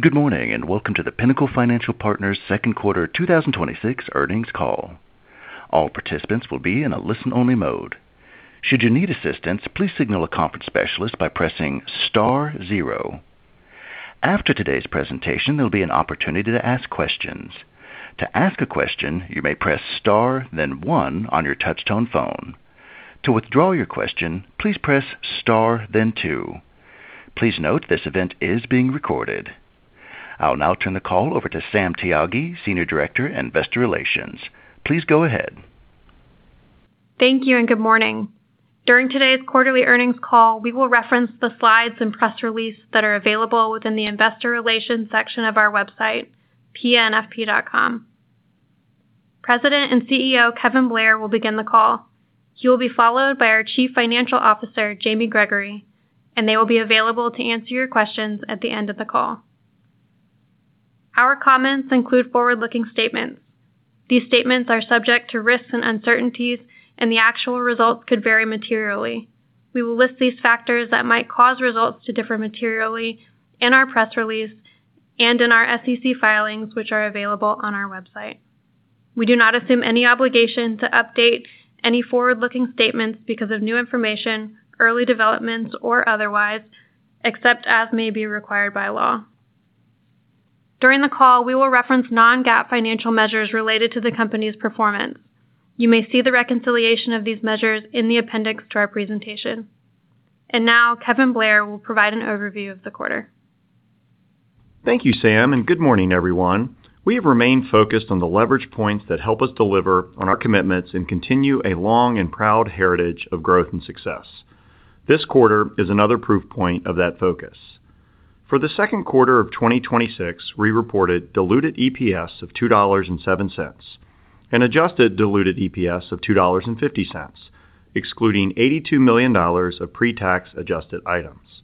Good morning. Welcome to the Pinnacle Financial Partners second quarter 2026 earnings call. All participants will be in a listen-only mode. Should you need assistance, please signal a conference specialist by pressing star zero. After today's presentation, there'll be an opportunity to ask questions. To ask a question, you may press star, then one on your touch-tone phone. To withdraw your question, please press star, then two. Please note this event is being recorded. I'll now turn the call over to Sam Tyagi, Senior Director, Investor Relations. Please go ahead. Thank you. Good morning. During today's quarterly earnings call, we will reference the slides and press release that are available within the investor relations section of our website, pnfp.com. President and CEO Kevin Blair will begin the call. He will be followed by our Chief Financial Officer, Jamie Gregory, and they will be available to answer your questions at the end of the call. Our comments include forward-looking statements. These statements are subject to risks and uncertainties, the actual results could vary materially. We will list these factors that might cause results to differ materially in our press release and in our SEC filings, which are available on our website. We do not assume any obligation to update any forward-looking statements because of new information, early developments, or otherwise, except as may be required by law. During the call, we will reference non-GAAP financial measures related to the company's performance. You may see the reconciliation of these measures in the appendix to our presentation. Now Kevin Blair will provide an overview of the quarter. Thank you, Sam. Good morning, everyone. We have remained focused on the leverage points that help us deliver on our commitments and continue a long and proud heritage of growth and success. This quarter is another proof point of that focus. For the second quarter of 2026, we reported diluted EPS of $2.07, an adjusted diluted EPS of $2.50, excluding $82 million of pre-tax adjusted items.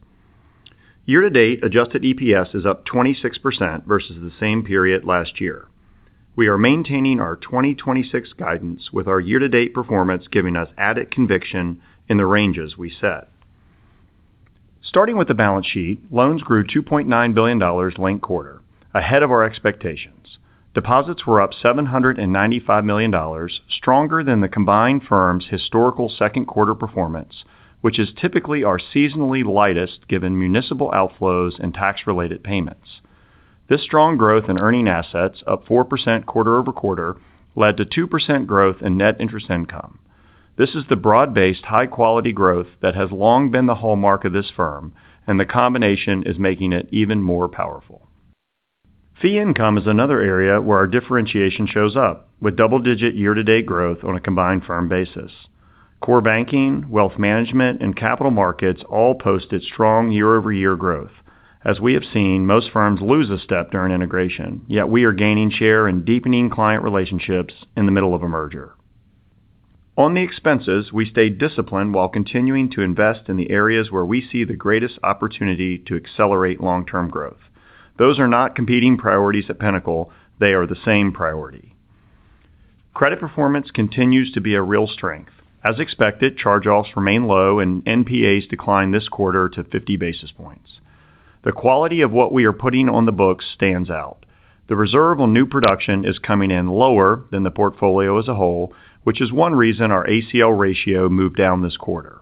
Year-to-date adjusted EPS is up 26% versus the same period last year. We are maintaining our 2026 guidance with our year-to-date performance giving us added conviction in the ranges we set. Starting with the balance sheet, loans grew $2.9 billion linked quarter, ahead of our expectations. Deposits were up $795 million, stronger than the combined firms' historical second quarter performance, which is typically our seasonally lightest given municipal outflows and tax-related payments. This strong growth in earning assets, up 4% quarter-over-quarter, led to 2% growth in net interest income. This is the broad-based, high-quality growth that has long been the hallmark of this firm, and the combination is making it even more powerful. Fee income is another area where our differentiation shows up with double-digit year-to-date growth on a combined firm basis. Core banking, wealth management, and capital markets all posted strong year-over-year growth. As we have seen, most firms lose a step during integration, yet we are gaining share and deepening client relationships in the middle of a merger. On the expenses, we stayed disciplined while continuing to invest in the areas where we see the greatest opportunity to accelerate long-term growth. Those are not competing priorities at Pinnacle, they are the same priority. Credit performance continues to be a real strength. As expected, charge-offs remain low and NPAs declined this quarter to 50 basis points. The quality of what we are putting on the books stands out. The reserve on new production is coming in lower than the portfolio as a whole, which is one reason our ACL ratio moved down this quarter.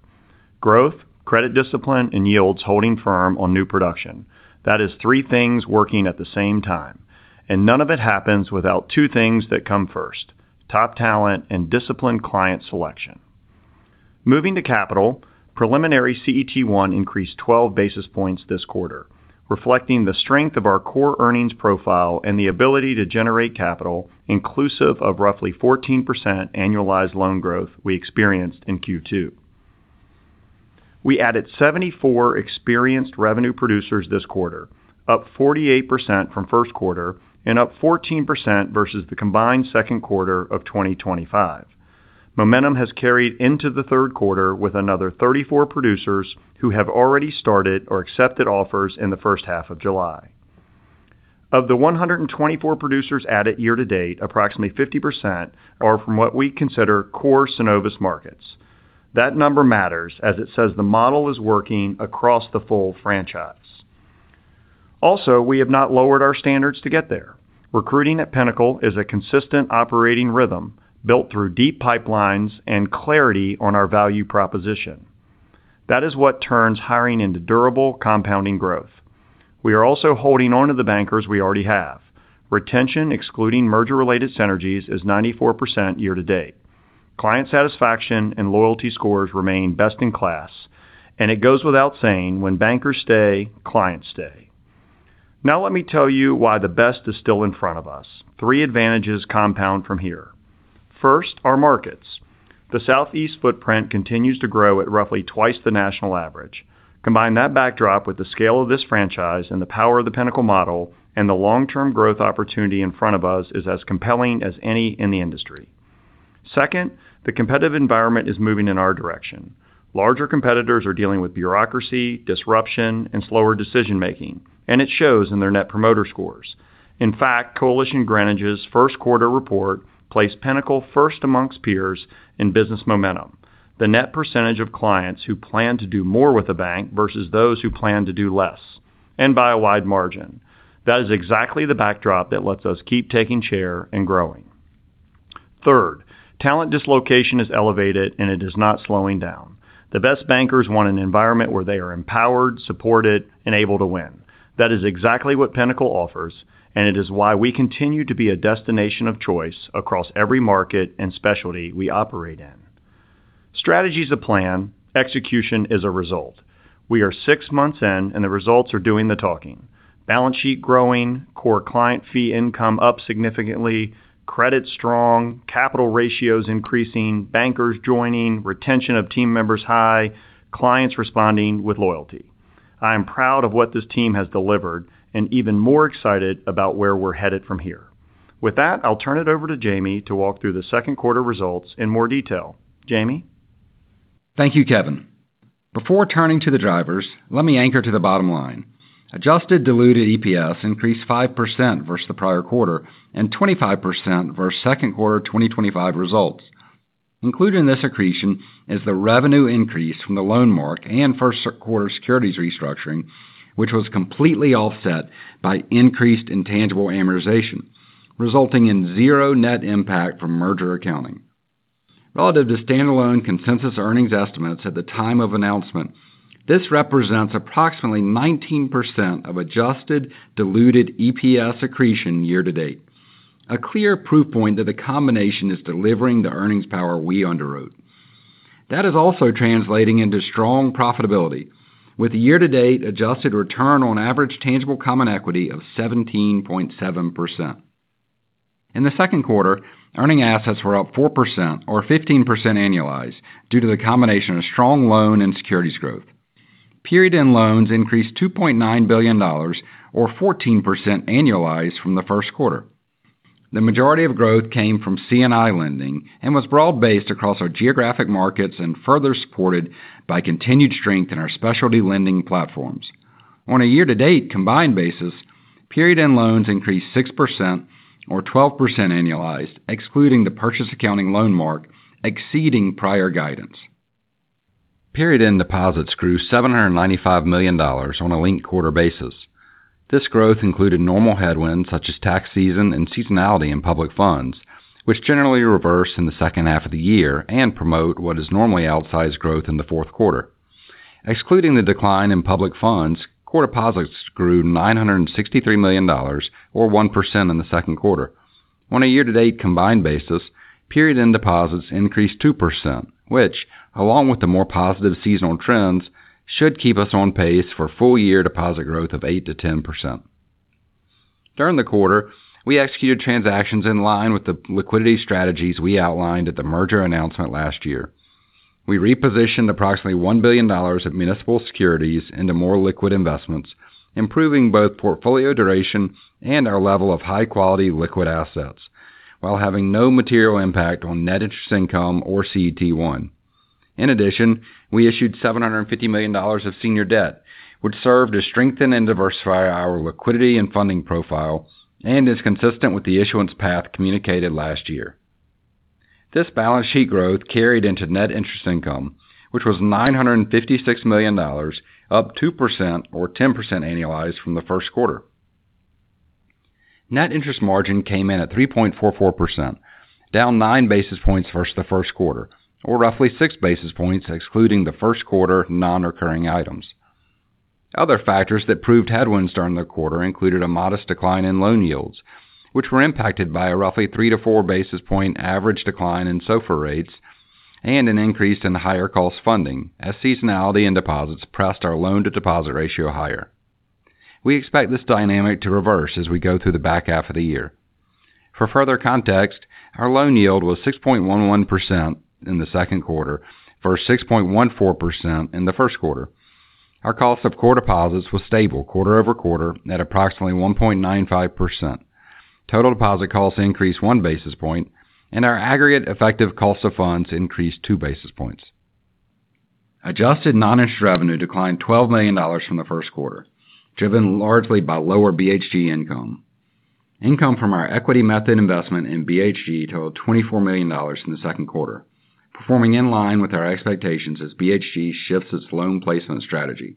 Growth, credit discipline, and yields holding firm on new production. That is three things working at the same time, and none of it happens without two things that come first, top talent and disciplined client selection. Moving to capital, preliminary CET1 increased 12 basis points this quarter, reflecting the strength of our core earnings profile and the ability to generate capital inclusive of roughly 14% annualized loan growth we experienced in Q2. We added 74 experienced revenue producers this quarter, up 48% from first quarter and up 14% versus the combined second quarter of 2025. Momentum has carried into the third quarter with another 34 producers who have already started or accepted offers in the first half of July. Of the 124 producers added year-to-date, approximately 50% are from what we consider core Synovus markets. That number matters as it says the model is working across the full franchise. Also, we have not lowered our standards to get there. Recruiting at Pinnacle is a consistent operating rhythm built through deep pipelines and clarity on our value proposition. That is what turns hiring into durable compounding growth. We are also holding onto the bankers we already have. Retention, excluding merger-related synergies, is 94% year-to-date. Client satisfaction and loyalty scores remain best in class, and it goes without saying, when bankers stay, clients stay. Now let me tell you why the best is still in front of us. Three advantages compound from here. First, our markets. The Southeast footprint continues to grow at roughly twice the national average. Combine that backdrop with the scale of this franchise and the power of the Pinnacle model, and the long-term growth opportunity in front of us is as compelling as any in the industry. Second, the competitive environment is moving in our direction. Larger competitors are dealing with bureaucracy, disruption, and slower decision-making, and it shows in their net promoter scores. In fact, Coalition Greenwich's first quarter report placed Pinnacle first amongst peers in business momentum. The net percentage of clients who plan to do more with the bank versus those who plan to do less, and by a wide margin. That is exactly the backdrop that lets us keep taking share and growing. Third, talent dislocation is elevated, and it is not slowing down. The best bankers want an environment where they are empowered, supported, and able to win. That is exactly what Pinnacle offers, and it is why we continue to be a destination of choice across every market and specialty we operate in. Strategy is a plan. Execution is a result. We are six months in, and the results are doing the talking. Balance sheet growing, core client fee income up significantly, credit strong, capital ratios increasing, bankers joining, retention of team members high, clients responding with loyalty. I am proud of what this team has delivered and even more excited about where we are headed from here. With that, I'll turn it over to Jamie to walk through the second quarter results in more detail. Jamie? Thank you, Kevin. Before turning to the drivers, let me anchor to the bottom line. Adjusted diluted EPS increased 5% versus the prior quarter and 25% versus second quarter 2025 results. Included in this accretion is the revenue increase from the loan mark and first quarter securities restructuring, which was completely offset by increased intangible amortization, resulting in zero net impact from merger accounting. Relative to standalone consensus earnings estimates at the time of announcement, this represents approximately 19% of adjusted diluted EPS accretion year-to-date. A clear proof point that the combination is delivering the earnings power we underwrote. That is also translating into strong profitability with year-to-date adjusted return on average tangible common equity of 17.7%. In the second quarter, earning assets were up 4% or 15% annualized due to the combination of strong loan and securities growth. Period-end loans increased $2.9 billion or 14% annualized from the first quarter. The majority of growth came from C&I lending and was broad-based across our geographic markets and further supported by continued strength in our specialty lending platforms. On a year-to-date combined basis, period-end loans increased 6% or 12% annualized, excluding the purchase accounting loan mark, exceeding prior guidance. Period-end deposits grew $795 million on a linked-quarter basis. This growth included normal headwinds such as tax season and seasonality in public funds, which generally reverse in the second half of the year and promote what is normally outsized growth in the fourth quarter. Excluding the decline in public funds, core deposits grew $963 million or 1% in the second quarter. On a year-to-date combined basis, period-end deposits increased 2%, which, along with the more positive seasonal trends, should keep us on pace for full-year deposit growth of 8%-10%. During the quarter, we executed transactions in line with the liquidity strategies we outlined at the merger announcement last year. We repositioned approximately $1 billion of municipal securities into more liquid investments, improving both portfolio duration and our level of high-quality liquid assets while having no material impact on net interest income or CET1. In addition, we issued $750 million of senior debt, which served to strengthen and diversify our liquidity and funding profile and is consistent with the issuance path communicated last year. This balance sheet growth carried into net interest income, which was $956 million, up 2% or 10% annualized from the first quarter. Net interest margin came in at 3.44%, down 9 basis points versus the first quarter, or roughly 6 basis points excluding the first quarter non-recurring items. Other factors that proved headwinds during the quarter included a modest decline in loan yields, which were impacted by a roughly 3-4 basis point average decline in SOFR rates and an increase in higher cost funding as seasonality in deposits pressed our loan-to-deposit ratio higher. We expect this dynamic to reverse as we go through the back half of the year. For further context, our loan yield was 6.11% in the second quarter versus 6.14% in the first quarter. Our cost of core deposits was stable quarter-over-quarter at approximately 1.95%. Total deposit costs increased 1 basis point, and our aggregate effective cost of funds increased 2 basis points. Adjusted non-interest revenue declined $12 million from the first quarter, driven largely by lower BHG income. Income from our equity method investment in BHG totaled $24 million in the second quarter, performing in line with our expectations as BHG shifts its loan placement strategy.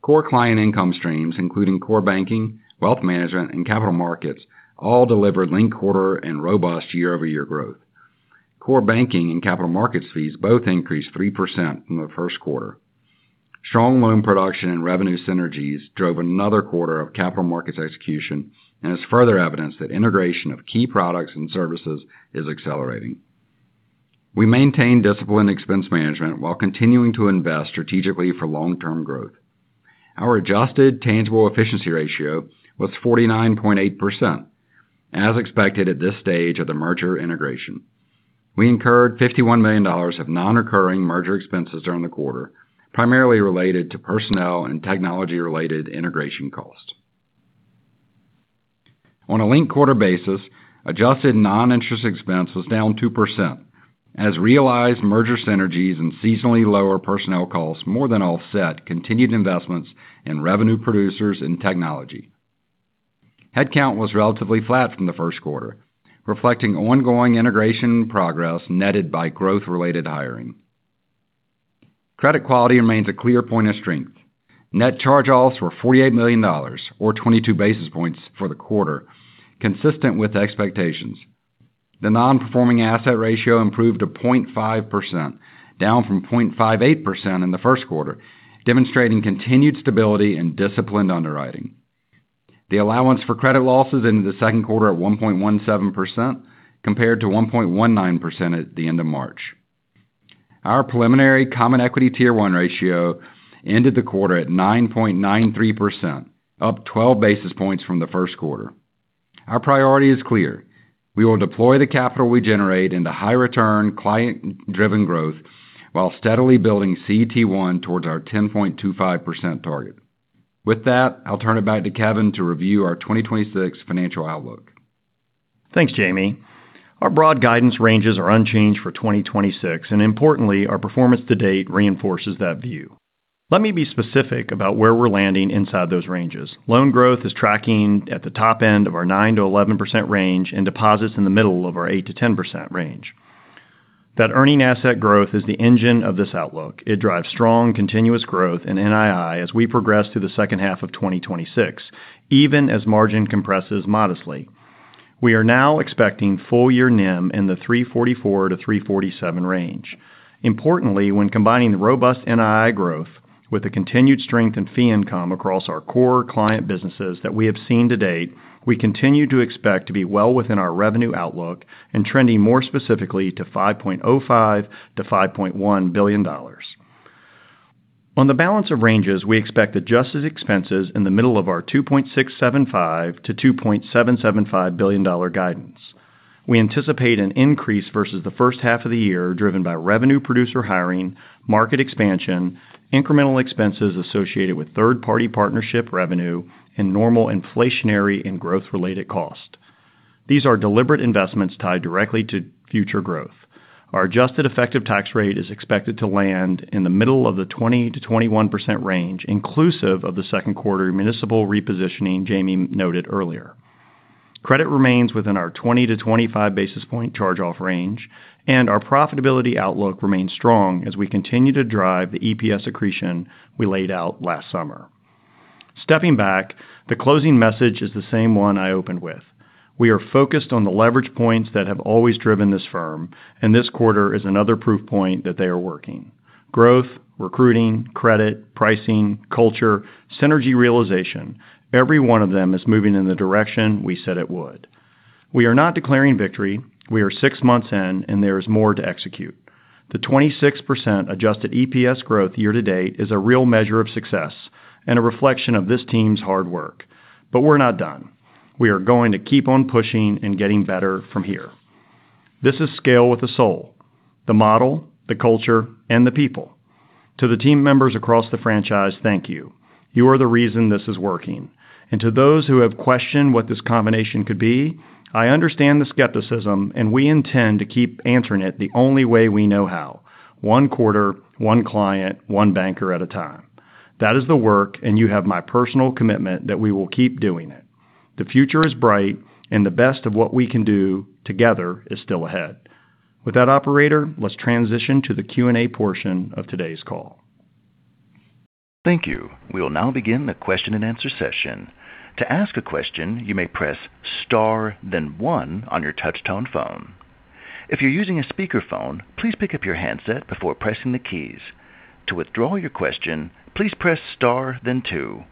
Core client income streams, including core banking, wealth management, and capital markets, all delivered linked quarter and robust year-over-year growth. Core banking and capital markets fees both increased 3% from the first quarter. Strong loan production and revenue synergies drove another quarter of capital markets execution and is further evidence that integration of key products and services is accelerating. We maintain disciplined expense management while continuing to invest strategically for long-term growth. Our adjusted tangible efficiency ratio was 49.8%, as expected at this stage of the merger integration. We incurred $51 million of non-recurring merger expenses during the quarter, primarily related to personnel and technology-related integration costs. On a linked quarter basis, adjusted non-interest expense was down 2% as realized merger synergies and seasonally lower personnel costs more than offset continued investments in revenue producers and technology. Headcount was relatively flat from the first quarter, reflecting ongoing integration progress netted by growth-related hiring. Credit quality remains a clear point of strength. Net charge-offs were $48 million, or 22 basis points for the quarter, consistent with expectations. The non-performing asset ratio improved to 0.5%, down from 0.58% in the first quarter, demonstrating continued stability and disciplined underwriting. The allowance for credit losses ended the second quarter at 1.17%, compared to 1.19% at the end of March. Our preliminary common equity Tier one ratio ended the quarter at 9.93%, up 12 basis points from the first quarter. Our priority is clear. We will deploy the capital we generate into high return, client-driven growth while steadily building CET1 towards our 10.25% target. With that, I'll turn it back to Kevin to review our 2026 financial outlook. Thanks, Jamie. Our broad guidance ranges are unchanged for 2026. Importantly, our performance to date reinforces that view. Let me be specific about where we're landing inside those ranges. Loan growth is tracking at the top end of our 9%-11% range and deposits in the middle of our 8%-10% range. That earning asset growth is the engine of this outlook. It drives strong, continuous growth in NII as we progress through the second half of 2026, even as margin compresses modestly. We are now expecting full-year NIM` in the 3.44%-3.47% range. Importantly, when combining the robust NII growth with the continued strength in fee income across our core client businesses that we have seen to date, we continue to expect to be well within our revenue outlook and trending more specifically to $5.05 billion-$5.1 billion. On the balance of ranges, we expect adjusted expenses in the middle of our $2.675 billion-$2.775 billion guidance. We anticipate an increase versus the first half of the year driven by revenue producer hiring, market expansion, incremental expenses associated with third-party partnership revenue, and normal inflationary and growth-related cost. These are deliberate investments tied directly to future growth. Our adjusted effective tax rate is expected to land in the middle of the 20%-21% range, inclusive of the second quarter municipal repositioning Jamie noted earlier. Credit remains within our 20-25 basis point charge-off range. Our profitability outlook remains strong as we continue to drive the EPS accretion we laid out last summer. Stepping back, the closing message is the same one I opened with. We are focused on the leverage points that have always driven this firm. This quarter is another proof point that they are working. Growth, recruiting, credit, pricing, culture, synergy realization. Every one of them is moving in the direction we said it would. We are not declaring victory. We are six months in. There is more to execute. The 26% adjusted EPS growth year-to-date is a real measure of success. A reflection of this team's hard work. We're not done. We are going to keep on pushing and getting better from here. This is scale with a soul, the model, the culture, and the people. To the team members across the franchise, thank you. You are the reason this is working. To those who have questioned what this combination could be, I understand the skepticism. We intend to keep answering it the only way we know how, one quarter, one client, one banker at a time. That is the work. You have my personal commitment that we will keep doing it. The future is bright. The best of what we can do together is still ahead. With that, operator, let's transition to the Q&A portion of today's call. Thank you. We will now begin the question-and-answer session. To ask a question, you may press star then one on your touch tone phone. If you're using a speakerphone, please pick up your handset before pressing the keys. To withdraw your question, please press star then two.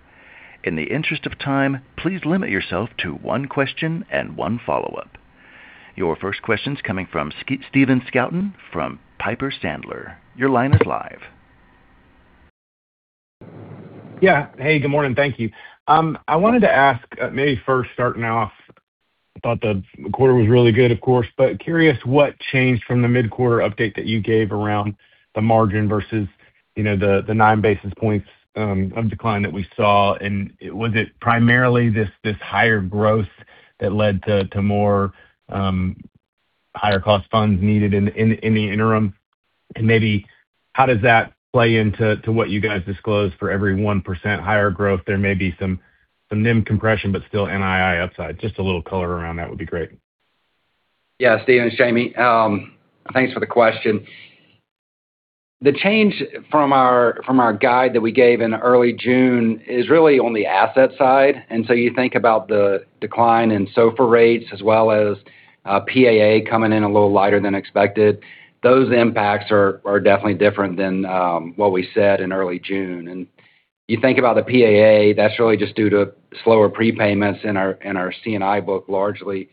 In the interest of time, please limit yourself to one question and one follow-up. Your first question's coming from Stephen Scouten from Piper Sandler. Your line is live. Yeah. Hey, good morning. Thank you. I wanted to ask, maybe first starting off, I thought the quarter was really good, of course, but curious what changed from the mid-quarter update that you gave around the margin versus the 9 basis points of decline that we saw. Was it primarily this higher growth that led to more higher cost funds needed in the interim? Maybe how does that play into what you guys disclose for every 1% higher growth? There may be some NIM compression, but still NII upside. Just a little color around that would be great. Yeah, Stephen, it's Jamie. Thanks for the question. The change from our guide that we gave in early June is really on the asset side. You think about the decline in SOFR rates as well as PAA coming in a little lighter than expected. Those impacts are definitely different than what we said in early June. You think about the PAA, that's really just due to slower prepayments in our C&I book largely.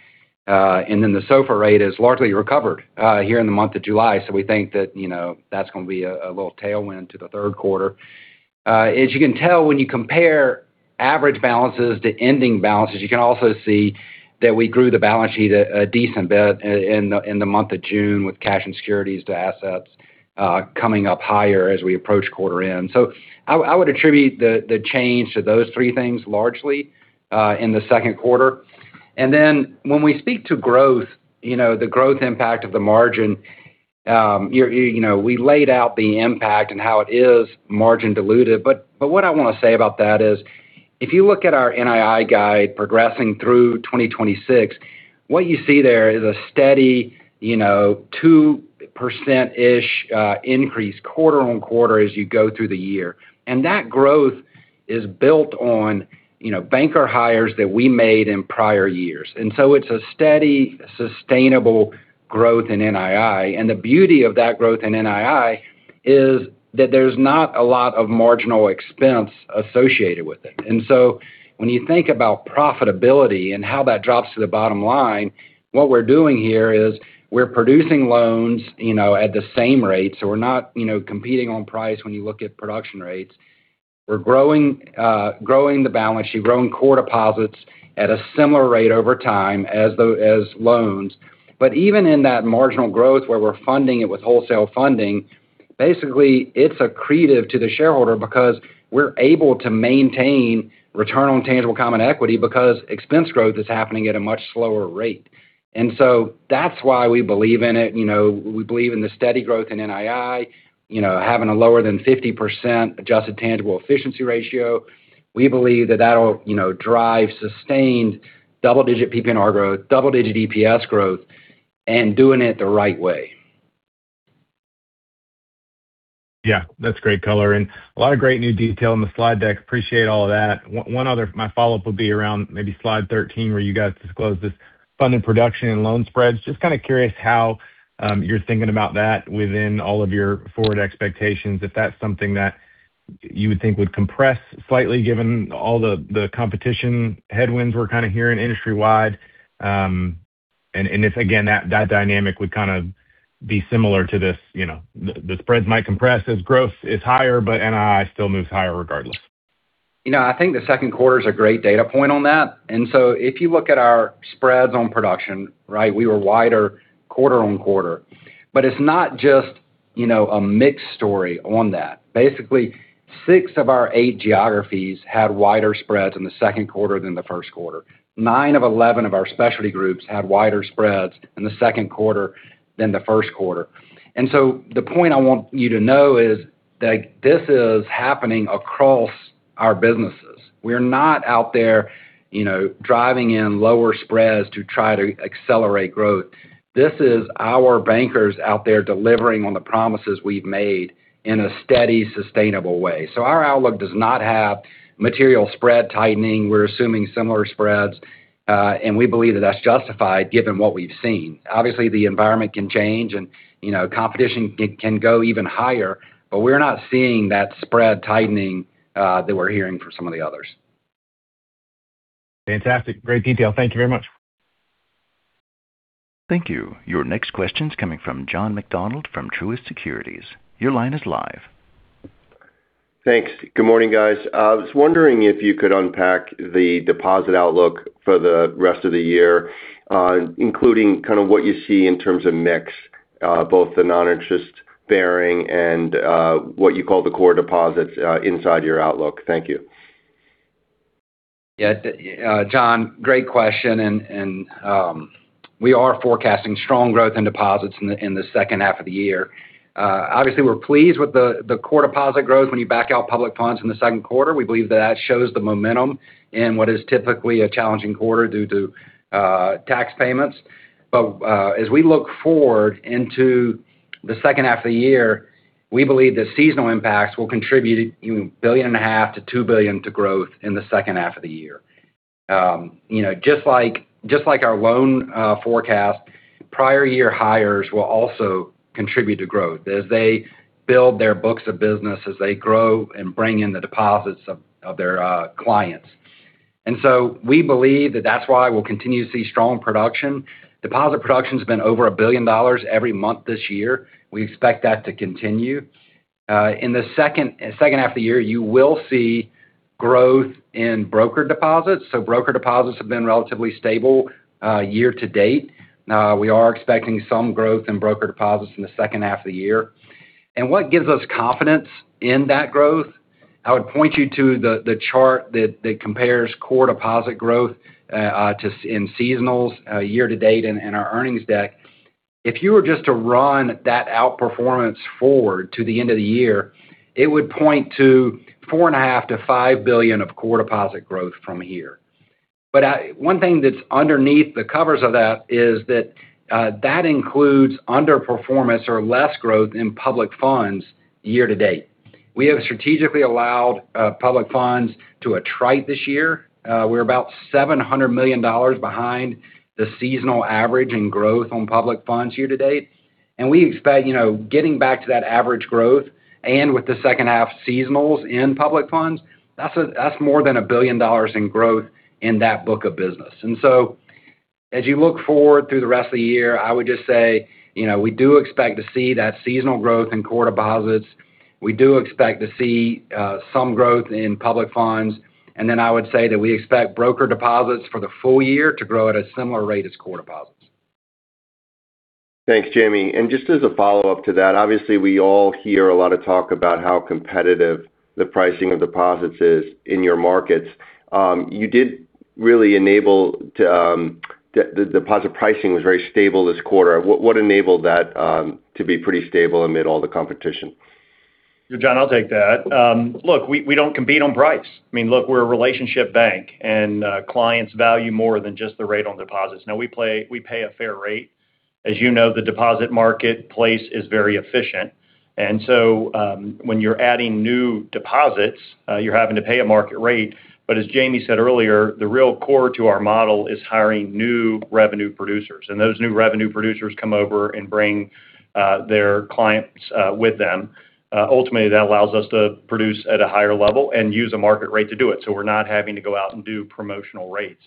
The SOFR rate is largely recovered here in the month of July. We think that's going to be a little tailwind to the third quarter. As you can tell, when you compare average balances to ending balances, you can also see that we grew the balance sheet a decent bit in the month of June with cash and securities to assets coming up higher as we approach quarter-end. I would attribute the change to those three things largely in the second quarter. When we speak to growth, the growth impact of the margin, we laid out the impact and how it is margin diluted. What I want to say about that is if you look at our NII guide progressing through 2026, what you see there is a steady, you know, 2%-ish increase quarter-on-quarter as you go through the year. That growth is built on banker hires that we made in prior years. It's a steady, sustainable growth in NII. The beauty of that growth in NII is that there's not a lot of marginal expense associated with it. When you think about profitability and how that drops to the bottom line, what we're doing here is we're producing loans at the same rates. We're not competing on price when you look at production rates. We're growing the balance sheet, growing core deposits at a similar rate over time as loans. Even in that marginal growth where we're funding it with wholesale funding, basically it's accretive to the shareholder because we're able to maintain return on tangible common equity because expense growth is happening at a much slower rate. That's why we believe in it. We believe in the steady growth in NII, having a lower than 50% adjusted tangible efficiency ratio. We believe that that'll drive sustained double-digit PPNR growth, double-digit EPS growth, and doing it the right way. Yeah, that's great color and a lot of great new detail in the slide deck. Appreciate all of that. My follow-up would be around maybe Slide 13, where you guys disclose this funded production and loan spreads. Just kind of curious how you're thinking about that within all of your forward expectations, if that's something that you would think would compress slightly given all the competition headwinds we're kind of hearing industry-wide. If, again, that dynamic would kind of be similar to this, the spreads might compress as growth is higher, but NII still moves higher regardless. I think the second quarter is a great data point on that. If you look at our spreads on production, we were wider quarter-on-quarter. It's not just a mixed story on that. Basically, six of our eight geographies had wider spreads in the second quarter than the first quarter. Nine of 11 of our specialty groups had wider spreads in the second quarter than the first quarter. The point I want you to know is that this is happening across our businesses. We're not out there driving in lower spreads to try to accelerate growth. This is our bankers out there delivering on the promises we've made in a steady, sustainable way. Our outlook does not have material spread tightening. We're assuming similar spreads. We believe that that's justified given what we've seen. Obviously, the environment can change and competition can go even higher, we're not seeing that spread tightening that we're hearing from some of the others. Fantastic. Great detail. Thank you very much. Thank you. Your next question's coming from John McDonald from Truist Securities. Your line is live. Thanks. Good morning, guys. I was wondering if you could unpack the deposit outlook for the rest of the year, including kind of what you see in terms of mix, both the non-interest bearing and what you call the core deposits inside your outlook. Thank you. Yeah. John, great question. We are forecasting strong growth in deposits in the second half of the year. Obviously, we're pleased with the core deposit growth when you back out public funds in the second quarter. We believe that that shows the momentum in what is typically a challenging quarter due to tax payments. As we look forward into the second half of the year, we believe the seasonal impacts will contribute $1.5 billion-$2 billion to growth in the second half of the year. Just like our loan forecast, prior year hires will also contribute to growth as they build their books of business, as they grow and bring in the deposits of their clients. We believe that that's why we'll continue to see strong production. Deposit production's been over $1 billion every month this year. We expect that to continue. In the second half of the year, you will see growth in broker deposits. Broker deposits have been relatively stable year-to-date. We are expecting some growth in broker deposits in the second half of the year. What gives us confidence in that growth? I would point you to the chart that compares core deposit growth in seasonals year-to-date in our earnings deck. If you were just to run that outperformance forward to the end of the year, it would point to $4.5 billion-$5 billion of core deposit growth from here. One thing that's underneath the covers of that is that that includes underperformance or less growth in public funds year-to-date. We have strategically allowed public funds to attrite this year. We're about $700 million behind the seasonal average in growth on public funds year-to-date. We expect getting back to that average growth and with the second half seasonals in public funds, that's more than $1 billion in growth in that book of business. As you look forward through the rest of the year, I would just say, we do expect to see that seasonal growth in core deposits. We do expect to see some growth in public funds. I would say that we expect broker deposits for the full-year to grow at a similar rate as core deposits. Thanks, Jamie. Just as a follow-up to that, obviously, we all hear a lot of talk about how competitive the pricing of deposits is in your markets. The deposit pricing was very stable this quarter. What enabled that to be pretty stable amid all the competition? John, I'll take that. Look, we don't compete on price. Look, we're a relationship bank, and clients value more than just the rate on deposits. We pay a fair rate. As you know, the deposit marketplace is very efficient. When you're adding new deposits, you're having to pay a market rate. As Jamie said earlier, the real core to our model is hiring new revenue producers. Those new revenue producers come over and bring their clients with them. Ultimately, that allows us to produce at a higher level and use a market rate to do it, so we're not having to go out and do promotional rates.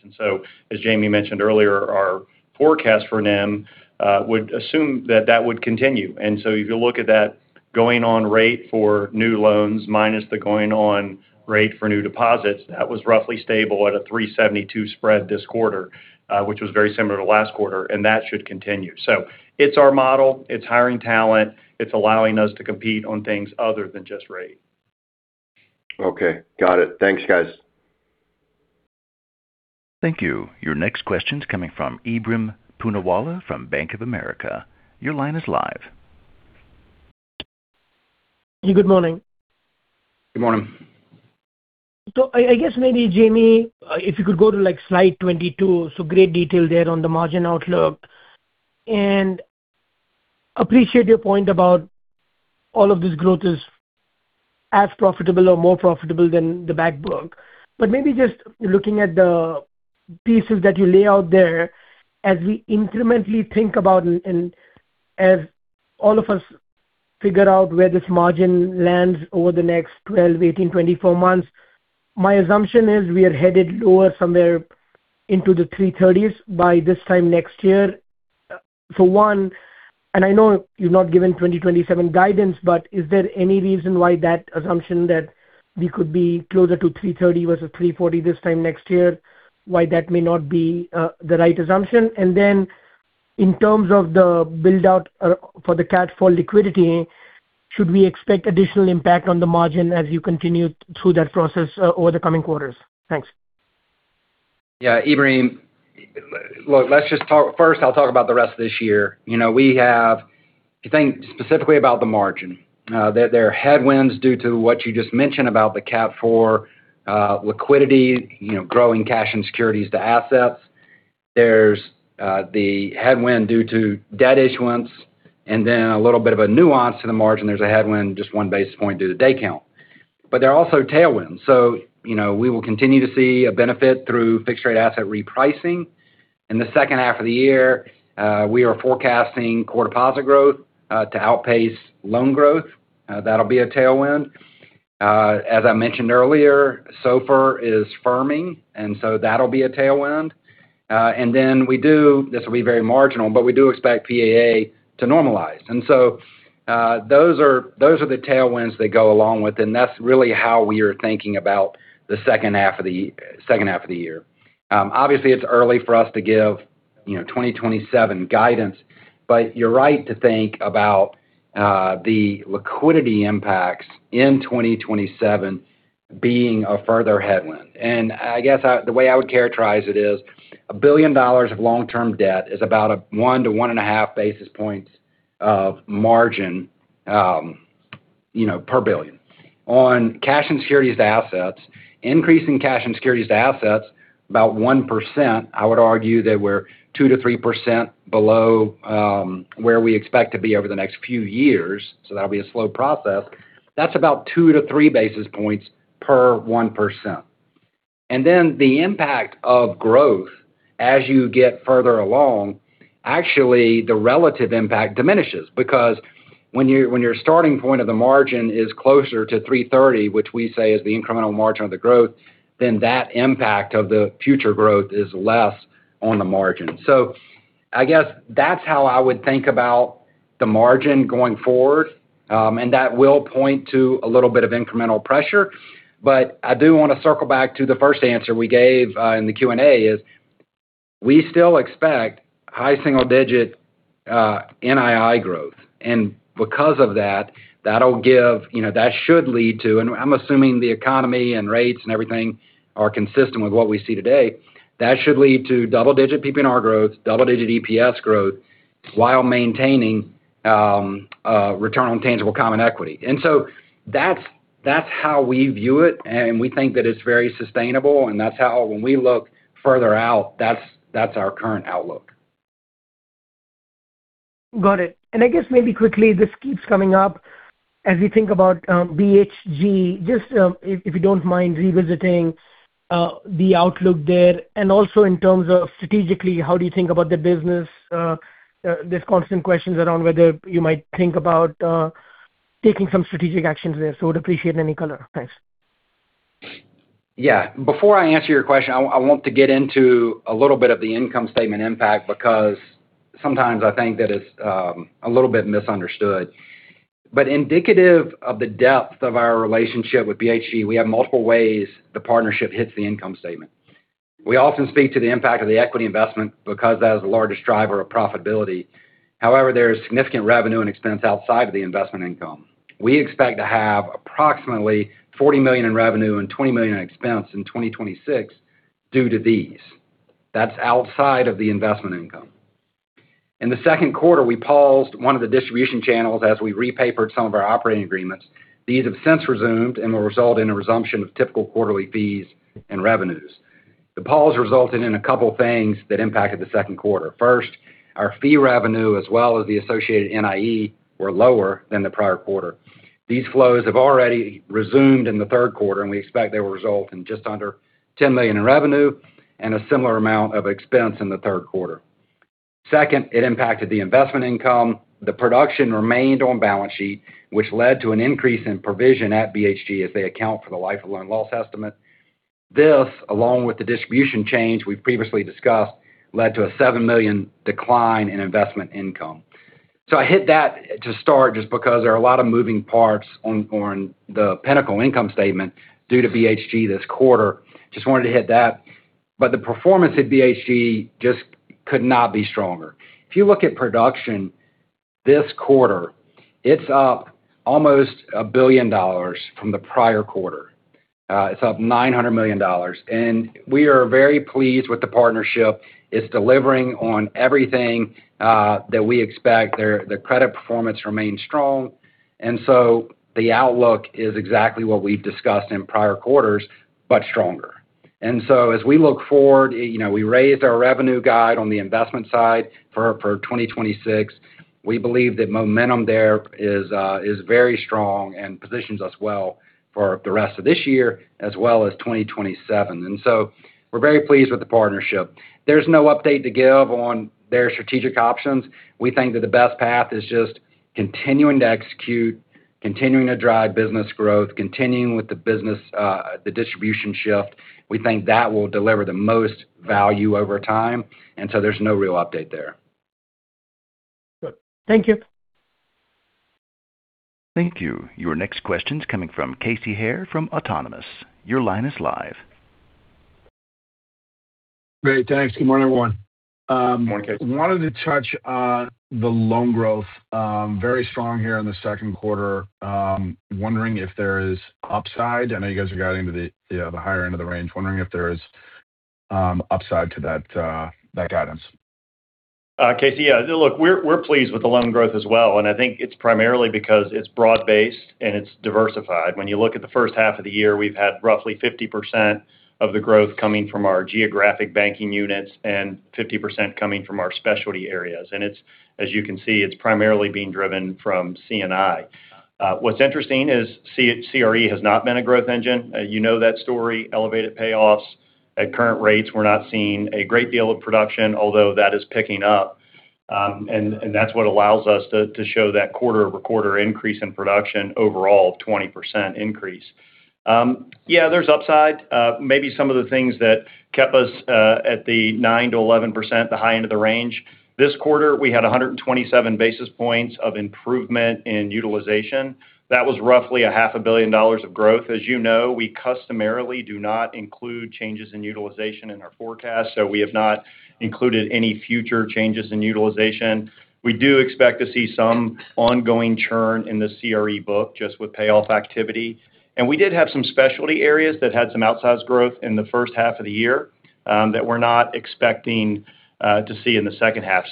As Jamie mentioned earlier, our forecast for NIM would assume that that would continue. If you look at that going on rate for new loans minus the going on rate for new deposits, that was roughly stable at a 372 spread this quarter, which was very similar to last quarter, and that should continue. It's our model. It's hiring talent. It's allowing us to compete on things other than just rate. Okay. Got it. Thanks, guys. Thank you. Your next question's coming from Ebrahim Poonawala from Bank of America. Your line is live. Good morning. Good morning. I guess maybe, Jamie, if you could go to Slide 22, great detail there on the margin outlook. Appreciate your point about all of this growth is as profitable or more profitable than the back book. Maybe just looking at the pieces that you lay out there, as we incrementally think about and as all of us figure out where this margin lands over the next 12, 18, 24 months, my assumption is we are headed lower somewhere into the 330s by this time next year. For one, I know you've not given 2027 guidance, is there any reason why that assumption that we could be closer to 330 versus 340 this time next year, why that may not be the right assumption? In terms of the build-out for the CAT4 liquidity, should we expect additional impact on the margin as you continue through that process over the coming quarters? Thanks. Yeah, Ebrahim. First, I'll talk about the rest of this year. If you think specifically about the margin, there are headwinds due to what you just mentioned about the CAT4 liquidity, growing cash and securities to assets. There's the headwind due to debt issuance, a little bit of a nuance to the margin. There's a headwind just one basis point due to day count. There are also tailwinds. We will continue to see a benefit through fixed rate asset repricing. In the second half of the year, we are forecasting core deposit growth to outpace loan growth. That'll be a tailwind. As I mentioned earlier, SOFR is firming, that'll be a tailwind. We do, this will be very marginal, we do expect PAA to normalize. Those are the tailwinds that go along with, and that's really how we are thinking about the second half of the year. Obviously, it's early for us to give 2027 guidance, but you're right to think about the liquidity impacts in 2027 being a further headwind. I guess the way I would characterize it is a $1 billion of long-term debt is about 1-1.5 basis points of margin per $1 billion. On cash and securities to assets, increasing cash and securities to assets about 1%, I would argue that we're 2%-3% below where we expect to be over the next few years, so that'll be a slow process. That's about 2-3 basis points per 1%. The impact of growth as you get further along, actually, the relative impact diminishes because when your starting point of the margin is closer to 330, which we say is the incremental margin of the growth, then that impact of the future growth is less on the margin. I guess that's how I would think about the margin going forward, and that will point to a little bit of incremental pressure. I do want to circle back to the first answer we gave in the Q&A is we still expect high single-digit NII growth. Because of that should lead to, and I'm assuming the economy and rates and everything are consistent with what we see today. That should lead to double-digit PPNR growth, double-digit EPS growth, while maintaining return on tangible common equity. That's how we view it, and we think that it's very sustainable, and that's how when we look further out, that's our current outlook. Got it. I guess maybe quickly, this keeps coming up as we think about BHG. Just if you don't mind revisiting the outlook there, and also in terms of strategically, how do you think about the business? There's constant questions around whether you might think about taking some strategic actions there. Would appreciate any color. Thanks. Yeah. Before I answer your question, I want to get into a little bit of the income statement impact because sometimes I think that it's a little bit misunderstood. Indicative of the depth of our relationship with BHG, we have multiple ways the partnership hits the income statement. We often speak to the impact of the equity investment because that is the largest driver of profitability. However, there is significant revenue and expense outside of the investment income. We expect to have approximately $40 million in revenue and $20 million in expense in 2026 due to these. That is outside of the investment income. In the second quarter, we paused one of the distribution channels as we repapered some of our operating agreements. These have since resumed and will result in a resumption of typical quarterly fees and revenues. The pause resulted in a couple things that impacted the second quarter. First, our fee revenue, as well as the associated NIE, were lower than the prior quarter. These flows have already resumed in the third quarter. We expect they will result in just under $10 million in revenue and a similar amount of expense in the third quarter. Second, it impacted the investment income. The production remained on balance sheet, which led to an increase in provision at BHG as they account for the life of loan loss estimate. This, along with the distribution change we've previously discussed, led to a $7 million decline in investment income. I hit that to start just because there are a lot of moving parts on the Pinnacle income statement due to BHG this quarter. Just wanted to hit that. The performance at BHG just could not be stronger. If you look at production this quarter, it's up almost $1 billion from the prior quarter. It's up $900 million. We are very pleased with the partnership. It's delivering on everything that we expect. Their credit performance remains strong. The outlook is exactly what we've discussed in prior quarters, but stronger. As we look forward, we raised our revenue guide on the investment side for 2026. We believe that momentum there is very strong and positions us well for the rest of this year as well as 2027. We're very pleased with the partnership. There's no update to give on their strategic options. We think that the best path is just continuing to execute, continuing to drive business growth, continuing with the distribution shift. We think that will deliver the most value over time. There's no real update there. Good. Thank you. Thank you. Your next question's coming from Casey Haire from Autonomous. Your line is live. Great. Thanks. Good morning, everyone. Good morning, Casey. Wanted to touch on the loan growth. Very strong here in the second quarter. Wondering if there is upside. I know you guys are guiding to the higher end of the range. Wondering if there is upside to that guidance. Casey, yeah. Look, we're pleased with the loan growth as well. I think it's primarily because it's broad-based and it's diversified. When you look at the first half of the year, we've had roughly 50% of the growth coming from our geographic banking units and 50% coming from our specialty areas. As you can see, it's primarily being driven from C&I. What's interesting is CRE has not been a growth engine. You know that story, elevated payoffs. At current rates, we're not seeing a great deal of production, although that is picking up. That's what allows us to show that quarter-over-quarter increase in production overall of 20% increase. Yeah, there's upside. Maybe some of the things that kept us at the 9%-11%, the high end of the range. This quarter, we had 127 basis points of improvement in utilization. That was roughly $500 million of growth. As you know, we customarily do not include changes in utilization in our forecast, so we have not included any future changes in utilization. We do expect to see some ongoing churn in the CRE book just with payoff activity. We did have some specialty areas that had some outsized growth in the first half of the year that we're not expecting to see in the second half.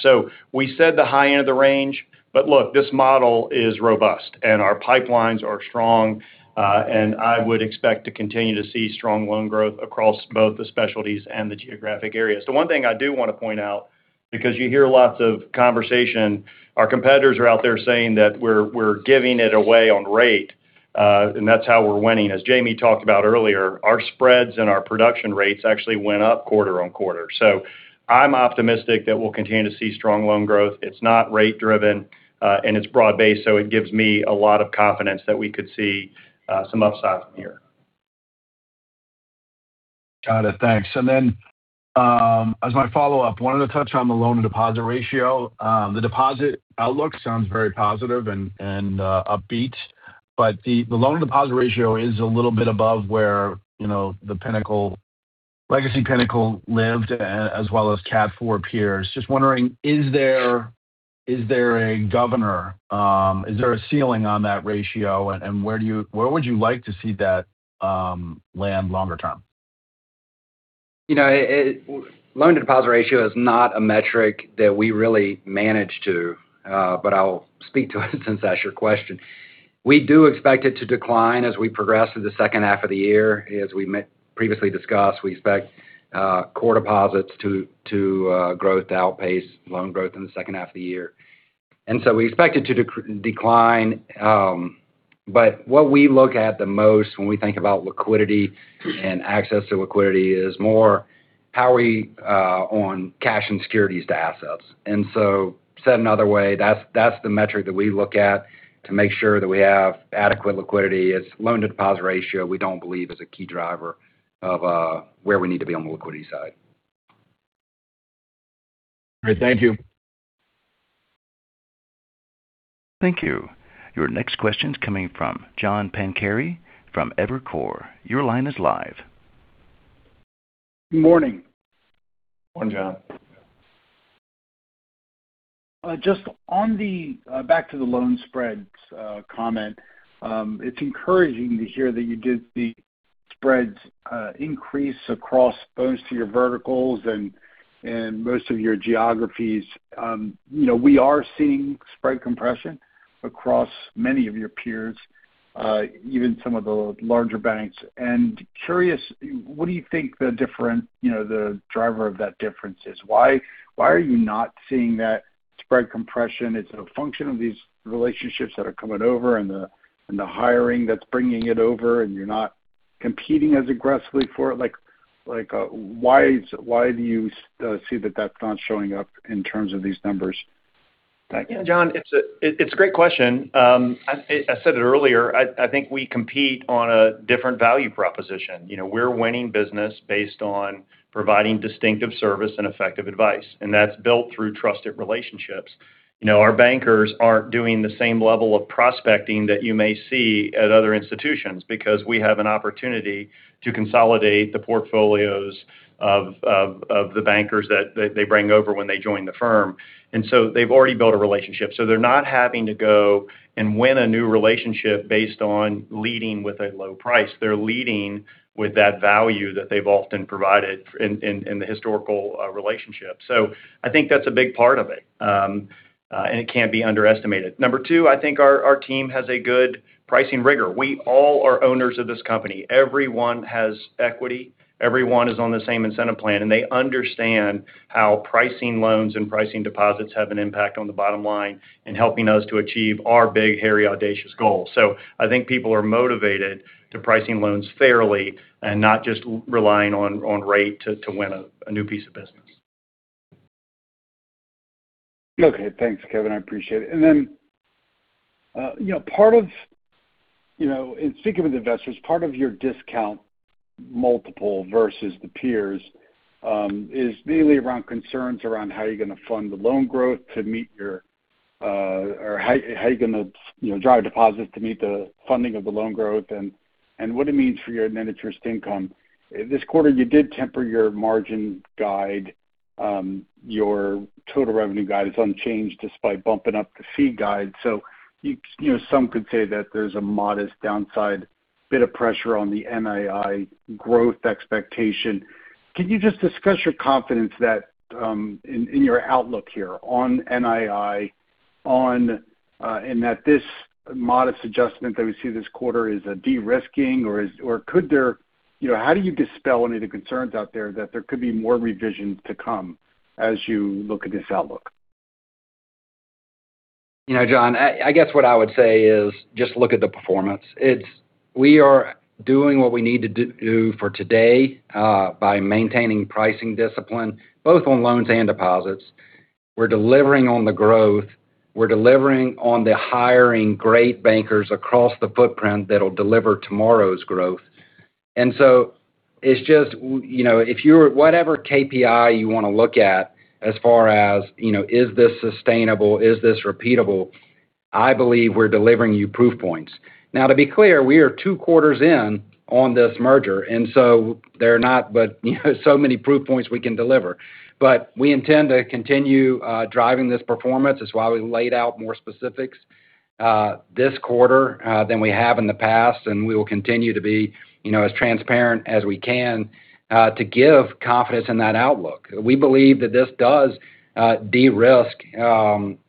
We said the high end of the range, but look, this model is robust and our pipelines are strong. I would expect to continue to see strong loan growth across both the specialties and the geographic areas. The one thing I do want to point out, because you hear lots of conversation, our competitors are out there saying that we're giving it away on rate, and that's how we're winning. As Jamie talked about earlier, our spreads and our production rates actually went up quarter-on-quarter. I'm optimistic that we'll continue to see strong loan growth. It's not rate driven, and it's broad based, so it gives me a lot of confidence that we could see some upside from here. Got it. Thanks. As my follow-up, wanted to touch on the loan-to-deposit ratio. The deposit outlook sounds very positive and upbeat, but the loan-to-deposit ratio is a little bit above where legacy Pinnacle lived as well as Cat IV peers. Just wondering, is there a governor? Is there a ceiling on that ratio, and where would you like to see that land longer-term? Loan-to-deposit ratio is not a metric that we really manage to, but I'll speak to it since that's your question. We do expect it to decline as we progress through the second half of the year. We expect it to decline. What we look at the most when we think about liquidity and access to liquidity is more how are we on cash and securities to assets. Said another way, that's the metric that we look at to make sure that we have adequate liquidity. It's loan-to-deposit ratio we don't believe is a key driver of where we need to be on the liquidity side. Great. Thank you. Thank you. Your next question's coming from John Pancari from Evercore. Your line is live. Good morning. Morning, John. Just on the back to the loan spreads comment, it is encouraging to hear that you did see spreads increase across most of your verticals and most of your geographies. We are seeing spread compression across many of your peers, even some of the larger banks. Curious, what do you think the driver of that difference is? Why are you not seeing that spread compression? Is it a function of these relationships that are coming over and the hiring that is bringing it over, and you are not competing as aggressively for it? Why do you see that that is not showing up in terms of these numbers? Yeah, John, it is a great question. I said it earlier, I think we compete on a different value proposition. We are winning business based on providing distinctive service and effective advice, and that is built through trusted relationships. Our bankers are not doing the same level of prospecting that you may see at other institutions because we have an opportunity to consolidate the portfolios of the bankers that they bring over when they join the firm. They have already built a relationship. They are not having to go and win a new relationship based on leading with a low price. They are leading with that value that they have often provided in the historical relationship. I think that is a big part of it, and it cannot be underestimated. Number two, I think our team has a good pricing rigor. We all are owners of this company. Everyone has equity, everyone is on the same incentive plan, and they understand how pricing loans and pricing deposits have an impact on the bottom line in helping us to achieve our big, hairy, audacious goal. I think people are motivated to pricing loans fairly and not just relying on rate to win a new piece of business. Okay. Thanks, Kevin. I appreciate it. In speaking with investors, part of your discount multiple versus the peers, is mainly around concerns around how you're going to fund the loan growth to meet how you're going to drive deposits to meet the funding of the loan growth and what it means for your net interest income. This quarter, you did temper your margin guide. Your total revenue guide is unchanged despite bumping up the fee guide. Some could say that there's a modest downside bit of pressure on the NII growth expectation. Can you just discuss your confidence in your outlook here on NII, and that this modest adjustment that we see this quarter is a de-risking? How do you dispel any of the concerns out there that there could be more revisions to come as you look at this outlook? Yeah, John, I guess what I would say is just look at the performance. We are doing what we need to do for today by maintaining pricing discipline, both on loans and deposits. We're delivering on the growth. We're delivering on the hiring great bankers across the footprint that'll deliver tomorrow's growth. It's just whatever KPI you want to look at as far as, is this sustainable? Is this repeatable? I believe we're delivering you proof points. To be clear, we are two quarters in on this merger, and there are not so many proof points we can deliver. We intend to continue driving this performance. That's why we laid out more specifics this quarter than we have in the past, and we will continue to be as transparent as we can to give confidence in that outlook. We believe that this does de-risk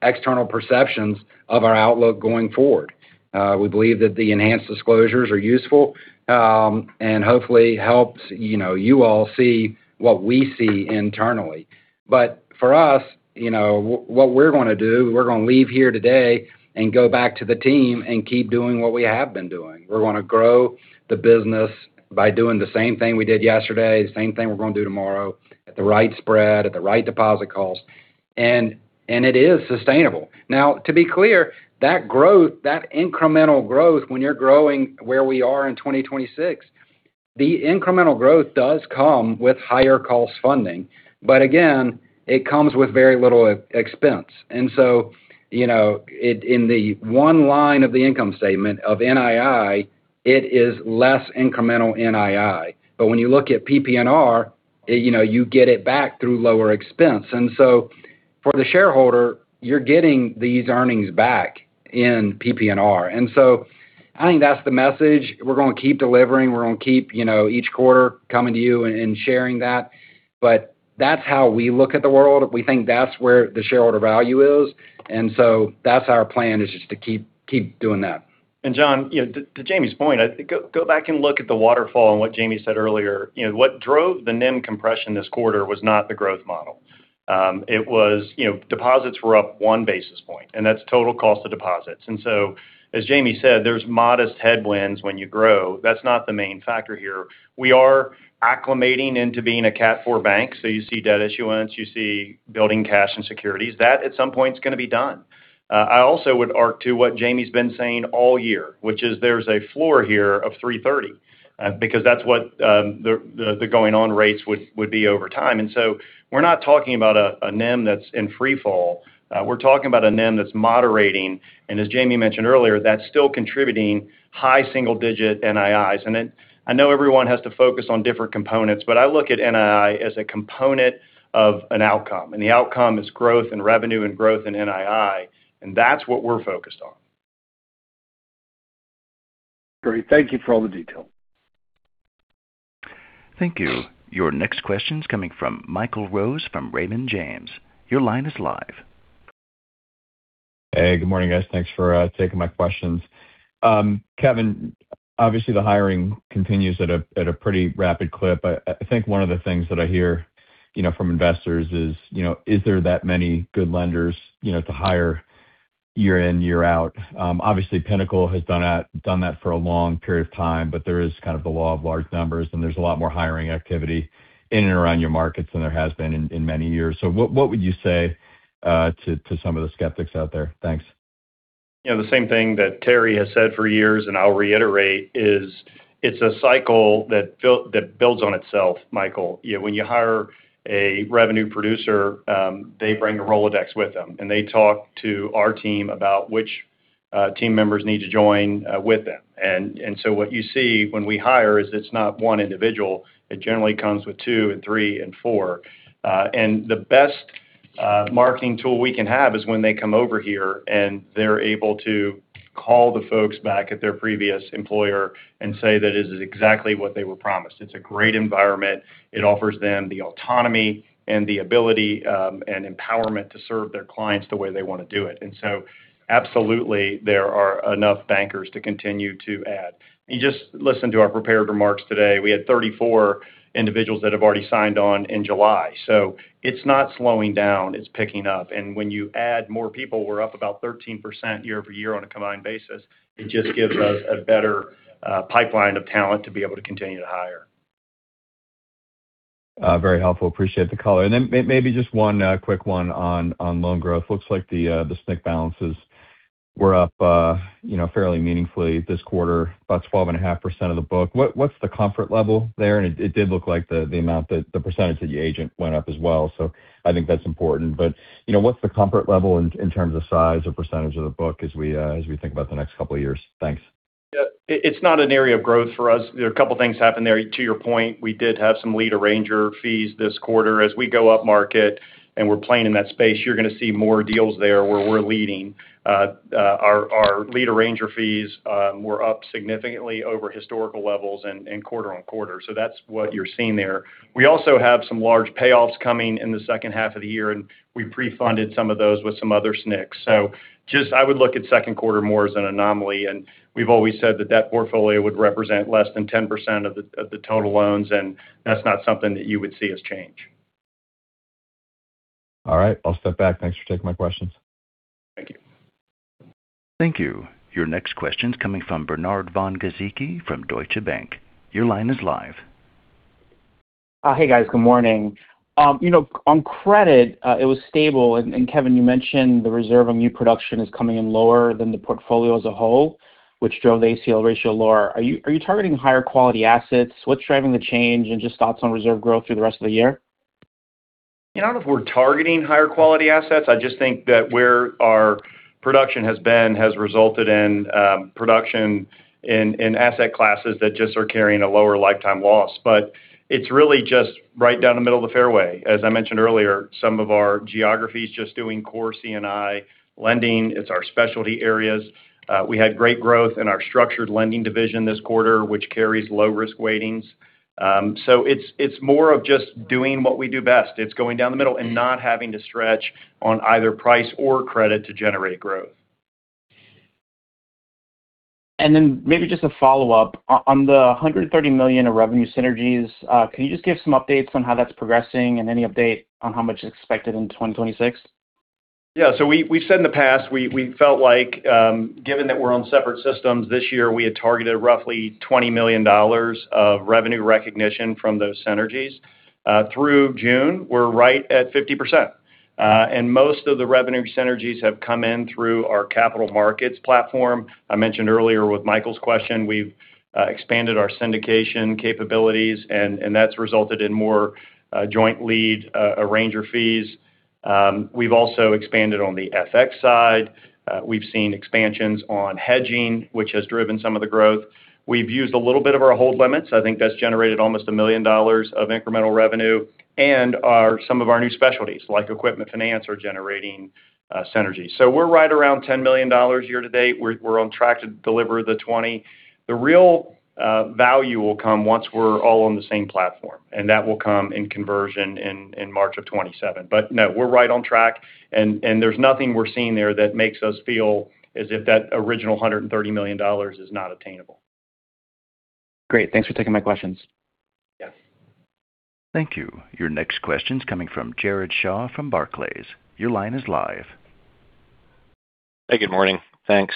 external perceptions of our outlook going forward. We believe that the enhanced disclosures are useful, and hopefully helps you all see what we see internally. For us, what we're going to do, we're going to leave here today and go back to the team and keep doing what we have been doing. We're going to grow the business by doing the same thing we did yesterday, the same thing we're going to do tomorrow, at the right spread, at the right deposit cost, and it is sustainable. To be clear, that incremental growth, when you're growing where we are in 2026, the incremental growth does come with higher cost funding. Again, it comes with very little expense. In the one line of the income statement of NII, it is less incremental NII. When you look at PPNR, you get it back through lower expense. For the shareholder, you're getting these earnings back in PPNR. I think that's the message. We're going to keep delivering, we're going to keep each quarter coming to you and sharing that. That's how we look at the world. We think that's where the shareholder value is. That's our plan, is just to keep doing that. John, to Jamie's point, go back and look at the waterfall and what Jamie said earlier. What drove the NIM compression this quarter was not the growth model. It was deposits were up one basis point, and that's total cost of deposits. As Jamie said, there's modest headwinds when you grow. That's not the main factor here. We are acclimating into being a Cat IV bank. You see debt issuance, you see building cash and securities. That at some point is going to be done. I also would arc to what Jamie's been saying all year, which is there's a floor here of 330 because that's what the going-on rates would be over time. We're not talking about a NIM that's in free fall. We're talking about a NIM that's moderating, and as Jamie mentioned earlier, that's still contributing high single-digit NIIs. I know everyone has to focus on different components, I look at NII as a component of an outcome, the outcome is growth in revenue and growth in NII, that's what we're focused on. Great. Thank you for all the detail. Thank you. Your next question's coming from Michael Rose from Raymond James. Your line is live. Hey, good morning, guys. Thanks for taking my questions. Kevin, obviously the hiring continues at a pretty rapid clip. I think one of the things that I hear from investors is there that many good lenders to hire year in, year out? Obviously, Pinnacle has done that for a long period of time, but there is kind of the law of large numbers, and there's a lot more hiring activity in and around your markets than there has been in many years. What would you say to some of the skeptics out there? Thanks. The same thing that Terry has said for years, and I'll reiterate, is it's a cycle that builds on itself, Michael. When you hire a revenue producer, they bring a Rolodex with them, and they talk to our team about which team members need to join with them. What you see when we hire is it's not one individual. It generally comes with two and three and four. The best marketing tool we can have is when they come over here and they're able to call the folks back at their previous employer and say that it is exactly what they were promised. It's a great environment. It offers them the autonomy and the ability and empowerment to serve their clients the way they want to do it. Absolutely, there are enough bankers to continue to add. You just listen to our prepared remarks today. We had 34 individuals that have already signed on in July. It's not slowing down. It's picking up. When you add more people, we're up about 13% year-over-year on a combined basis. It just gives us a better pipeline of talent to be able to continue to hire. Very helpful. Appreciate the color. Maybe just one quick one on loan growth. Looks like the SNC balances were up fairly meaningfully this quarter, about 12.5% of the book. What's the comfort level there? It did look like the percentage that you agent went up as well, so I think that's important. What's the comfort level in terms of size or percentage of the book as we think about the next couple of years? Thanks. It's not an area of growth for us. There are a couple of things happen there. To your point, we did have some lead arranger fees this quarter. As we go up market and we're playing in that space, you're going to see more deals there where we're leading. Our lead arranger fees were up significantly over historical levels and quarter-on-quarter. That's what you're seeing there. We also have some large payoffs coming in the second half of the year, and we prefunded some of those with some other SNCs. Just I would look at second quarter more as an anomaly, and we've always said that that portfolio would represent less than 10% of the total loans, and that's not something that you would see as change. All right. I'll step back. Thanks for taking my questions. Thank you. Thank you. Your next question's coming from Bernard von Gizycki from Deutsche Bank. Your line is live. Hey, guys. Good morning. On credit, it was stable. Kevin, you mentioned the reserve on new production is coming in lower than the portfolio as a whole, which drove the ACL ratio lower. Are you targeting higher quality assets? What's driving the change? Just thoughts on reserve growth through the rest of the year. I don't know if we're targeting higher quality assets. I just think that where our production has been has resulted in production in asset classes that just are carrying a lower lifetime loss. It's really just right down the middle of the fairway. As I mentioned earlier, some of our geography is just doing core C&I lending. It's our specialty areas. We had great growth in our structured lending division this quarter, which carries low-risk weightings. It's more of just doing what we do best. It's going down the middle and not having to stretch on either price or credit to generate growth. Maybe just a follow-up. On the $130 million of revenue synergies, can you just give some updates on how that's progressing and any update on how much is expected in 2026? Yeah. We've said in the past, we felt like given that we're on separate systems this year, we had targeted roughly $20 million of revenue recognition from those synergies. Through June, we're right at 50%. Most of the revenue synergies have come in through our capital markets platform. I mentioned earlier with Michael's question, we've expanded our syndication capabilities, and that's resulted in more joint lead arranger fees. We've also expanded on the FX side. We've seen expansions on hedging, which has driven some of the growth. We've used a little bit of our hold limits. I think that's generated almost $1 million of incremental revenue. And some of our new specialties, like equipment finance, are generating synergy. We're right around $10 million year-to-date. We're on track to deliver the $20 million. The real value will come once we're all on the same platform, and that will come in conversion in March of 2027. No, we're right on track, and there's nothing we're seeing there that makes us feel as if that original $130 million is not attainable. Great. Thanks for taking my questions. Yes. Thank you. Your next question's coming from Jared Shaw from Barclays. Your line is live. Hey, good morning. Thanks.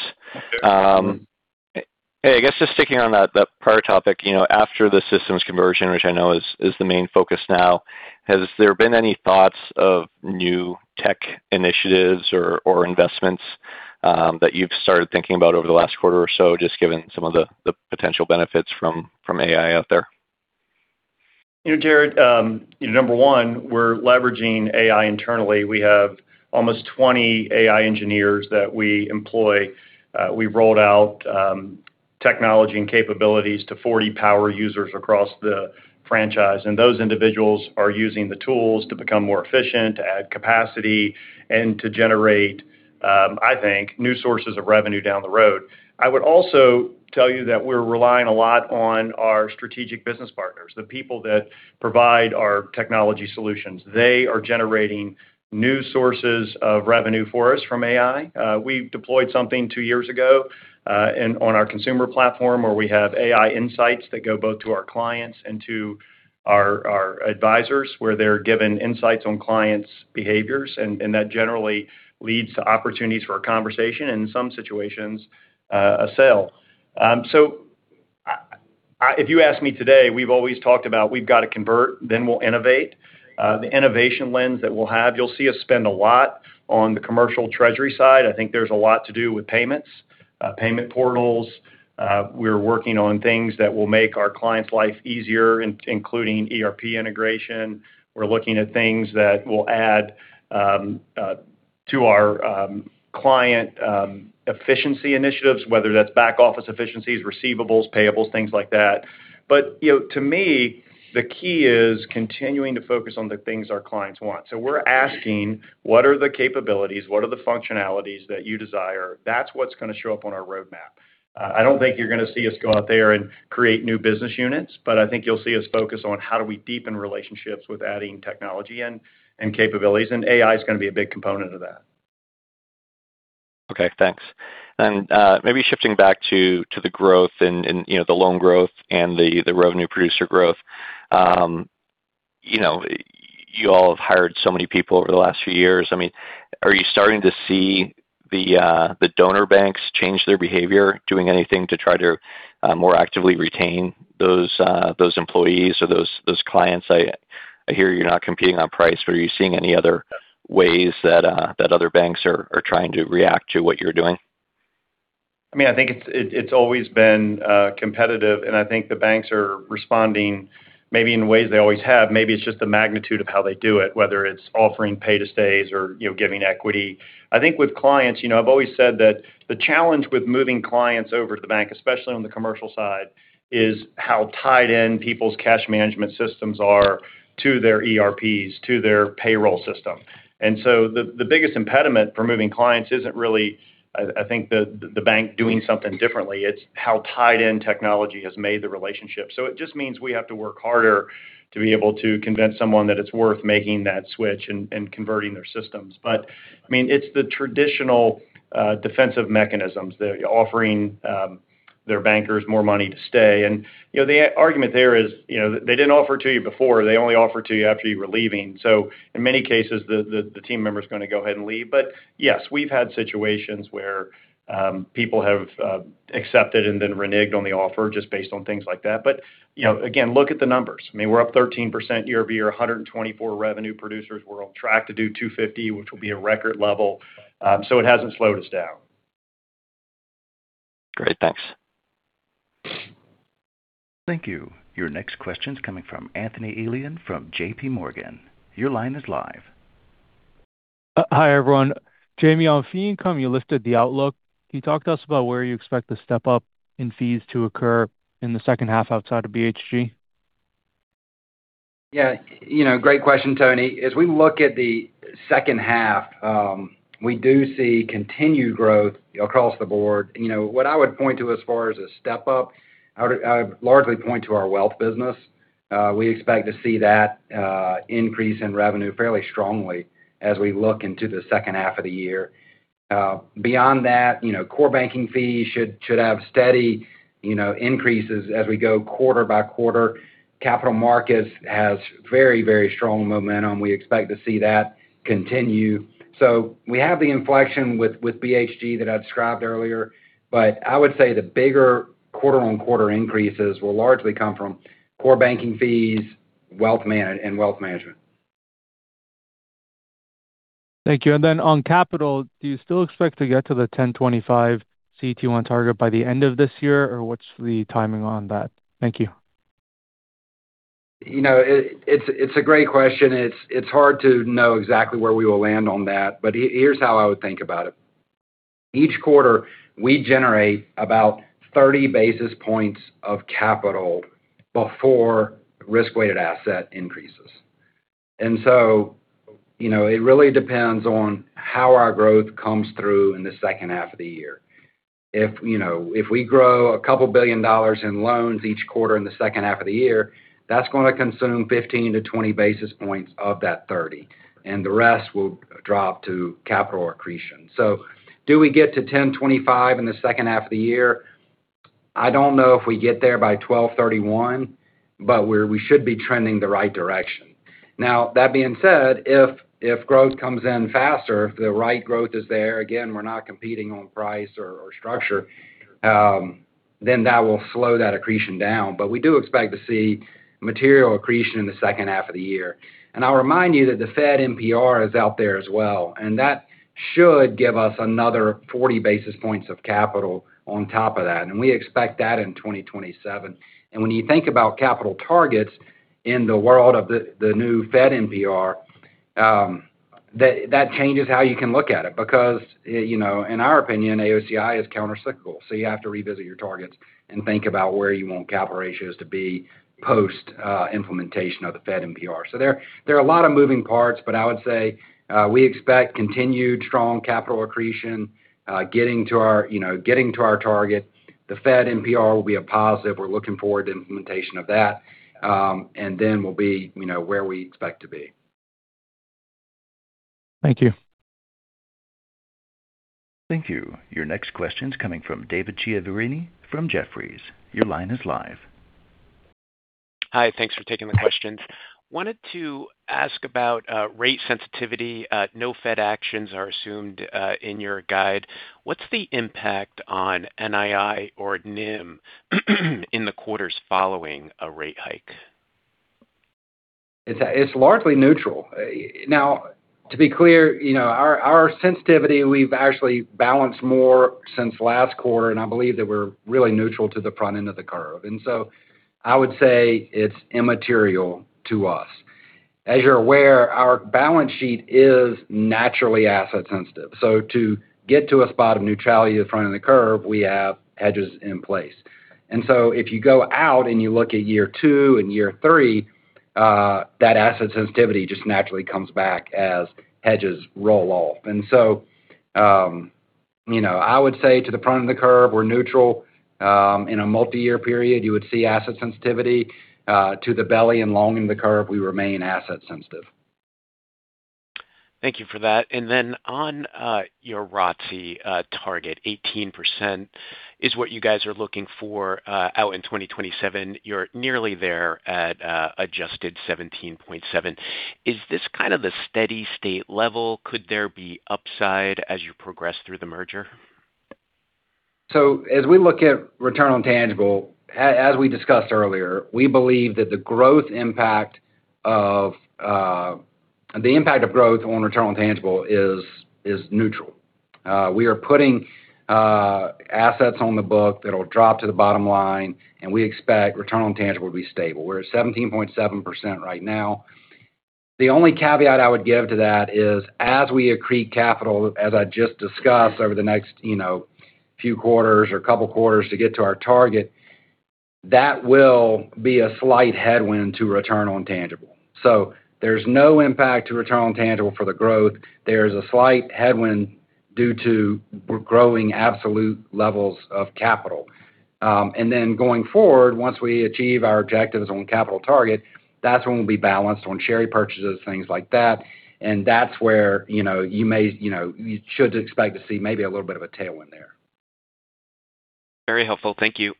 Hey. Hey, I guess just sticking on that prior topic, after the systems conversion, which I know is the main focus now, has there been any thoughts of new tech initiatives or investments that you've started thinking about over the last quarter or so, just given some of the potential benefits from AI out there? Jared, number one, we're leveraging AI internally. We have almost 20 AI engineers that we employ. We've rolled out technology and capabilities to 40 power users across the franchise. Those individuals are using the tools to become more efficient, to add capacity, and to generate, I think, new sources of revenue down the road. I would also tell you that we're relying a lot on our strategic business partners, the people that provide our technology solutions. They are generating new sources of revenue for us from AI. We deployed something two years ago on our consumer platform where we have AI insights that go both to our clients and to our advisors, where they're given insights on clients' behaviors. That generally leads to opportunities for a conversation, and in some situations, a sale. If you ask me today, we've always talked about we've got to convert, then we'll innovate. The innovation lens that we'll have, you'll see us spend a lot on the commercial treasury side. I think there's a lot to do with payments, payment portals. We're working on things that will make our clients' life easier, including ERP integration. We're looking at things that will add to our client efficiency initiatives, whether that's back office efficiencies, receivables, payables, things like that. To me, the key is continuing to focus on the things our clients want. We're asking, what are the capabilities? What are the functionalities that you desire? That's what's going to show up on our roadmap. I don't think you're going to see us go out there and create new business units, but I think you'll see us focus on how do we deepen relationships with adding technology and capabilities, and AI is going to be a big component of that. Okay, thanks. Maybe shifting back to the growth and the loan growth and the revenue producer growth. You all have hired so many people over the last few years. Are you starting to see the donor banks change their behavior, doing anything to try to more actively retain those employees or those clients? I hear you're not competing on price, but are you seeing any other ways that other banks are trying to react to what you're doing? I think it's always been competitive, and I think the banks are responding maybe in ways they always have. Maybe it's just the magnitude of how they do it, whether it's offering pay to stays or giving equity. I think with clients, I've always said that the challenge with moving clients over to the bank, especially on the commercial side, is how tied in people's cash management systems are to their ERPs, to their payroll system. The biggest impediment for moving clients isn't really, I think, the bank doing something differently. It's how tied in technology has made the relationship. It just means we have to work harder to be able to convince someone that it's worth making that switch and converting their systems. It's the traditional defensive mechanisms. They're offering their bankers more money to stay. The argument there is they didn't offer to you before. They only offered to you after you were leaving. In many cases, the team member's going to go ahead and leave. Yes, we've had situations where people have accepted and then reneged on the offer just based on things like that. Again, look at the numbers. We're up 13% year-over-year, 124 revenue producers. We're on track to do 250, which will be a record level. It hasn't slowed us down. Great. Thanks. Thank you. Your next question's coming from Anthony Elian from JPMorgan. Your line is live. Hi, everyone. Jamie, on fee income, you listed the outlook. Can you talk to us about where you expect the step-up in fees to occur in the second half outside of BHG? Yeah. Great question, Tony. As we look at the second half, we do see continued growth across the board. What I would point to as far as a step-up, I would largely point to our wealth business. We expect to see that increase in revenue fairly strongly as we look into the second half of the year. Beyond that, core banking fees should have steady increases as we go quarter-by-quarter. Capital markets has very strong momentum. We expect to see that continue. We have the inflection with BHG that I described earlier, but I would say the bigger quarter-on-quarter increases will largely come from core banking fees and wealth management. Thank you. On capital, do you still expect to get to the 1,025 CET1 target by the end of this year? What's the timing on that? Thank you. It's a great question. It's hard to know exactly where we will land on that, but here's how I would think about it. Each quarter, we generate about 30 basis points of capital before risk-weighted asset increases. It really depends on how our growth comes through in the second half of the year. If we grow a couple billion dollars in loans each quarter in the second half of the year, that's going to consume 15-20 basis points of that 30, and the rest will drop to capital accretion. Do we get to 1,025 in the second half of the year? I don't know if we get there by 12/31, but we should be trending the right direction. Now that being said, if growth comes in faster, if the right growth is there, again, we're not competing on price or structure then that will slow that accretion down. We do expect to see material accretion in the second half of the year. I'll remind you that the Fed NPR is out there as well, and that should give us another 40 basis points of capital on top of that, and we expect that in 2027. When you think about capital targets in the world of the new Fed NPR. That changes how you can look at it because, in our opinion, AOCI is countercyclical. You have to revisit your targets and think about where you want capital ratios to be post-implementation of the Fed NPR. There are a lot of moving parts, but I would say we expect continued strong capital accretion getting to our target. The Fed NPR will be a positive. We're looking forward to implementation of that, and then we'll be where we expect to be. Thank you. Thank you. Your next question's coming from David Chiaverini from Jefferies. Your line is live. Hi. Thanks for taking the questions. Wanted to ask about rate sensitivity. No Fed actions are assumed in your guide. What's the impact on NII or NIM in the quarters following a rate hike? It's largely neutral. To be clear, our sensitivity, we've actually balanced more since last quarter, I believe that we're really neutral to the front end of the curve. I would say it's immaterial to us. As you're aware, our balance sheet is naturally asset sensitive. To get to a spot of neutrality at the front of the curve, we have hedges in place. If you go out and you look at year two and year three, that asset sensitivity just naturally comes back as hedges roll off. I would say to the front of the curve, we're neutral. In a multi-year period, you would see asset sensitivity. To the belly and long in the curve, we remain asset sensitive. Thank you for that. On your ROTCE target, 18% is what you guys are looking for out in 2027. You're nearly there at adjusted 17.7%. Is this kind of the steady state level? Could there be upside as you progress through the merger? As we look at return on tangible, as we discussed earlier, we believe that the impact of growth on return on tangible is neutral. We are putting assets on the book that'll drop to the bottom line, and we expect return on tangible to be stable. We're at 17.7% right now. The only caveat I would give to that is as we accrete capital, as I just discussed over the next few quarters or couple quarters to get to our target, that will be a slight headwind to return on tangible. There's no impact to return on tangible for the growth. There is a slight headwind due to growing absolute levels of capital. Going forward, once we achieve our objectives on capital target, that's when we'll be balanced on share repurchases, things like that, and that's where you should expect to see maybe a little bit of a tailwind there. Very helpful. Thank you.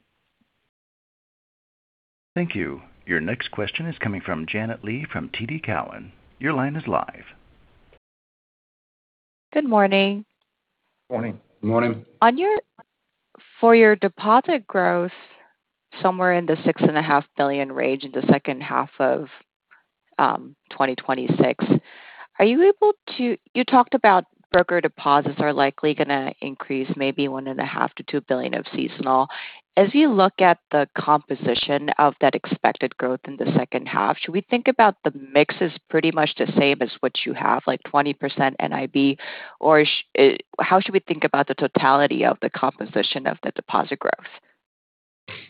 Thank you. Your next question is coming from Janet Lee from TD Cowen. Your line is live. Good morning. Morning. Morning. For your deposit growth, somewhere in the $6.5 billion range in the second half of 2026. You talked about broker deposits are likely going to increase maybe $1.5 billion-$2 billion of seasonal. As you look at the composition of that expected growth in the second half, should we think about the mix as pretty much the same as what you have, like 20% NIB, or how should we think about the totality of the composition of the deposit growth?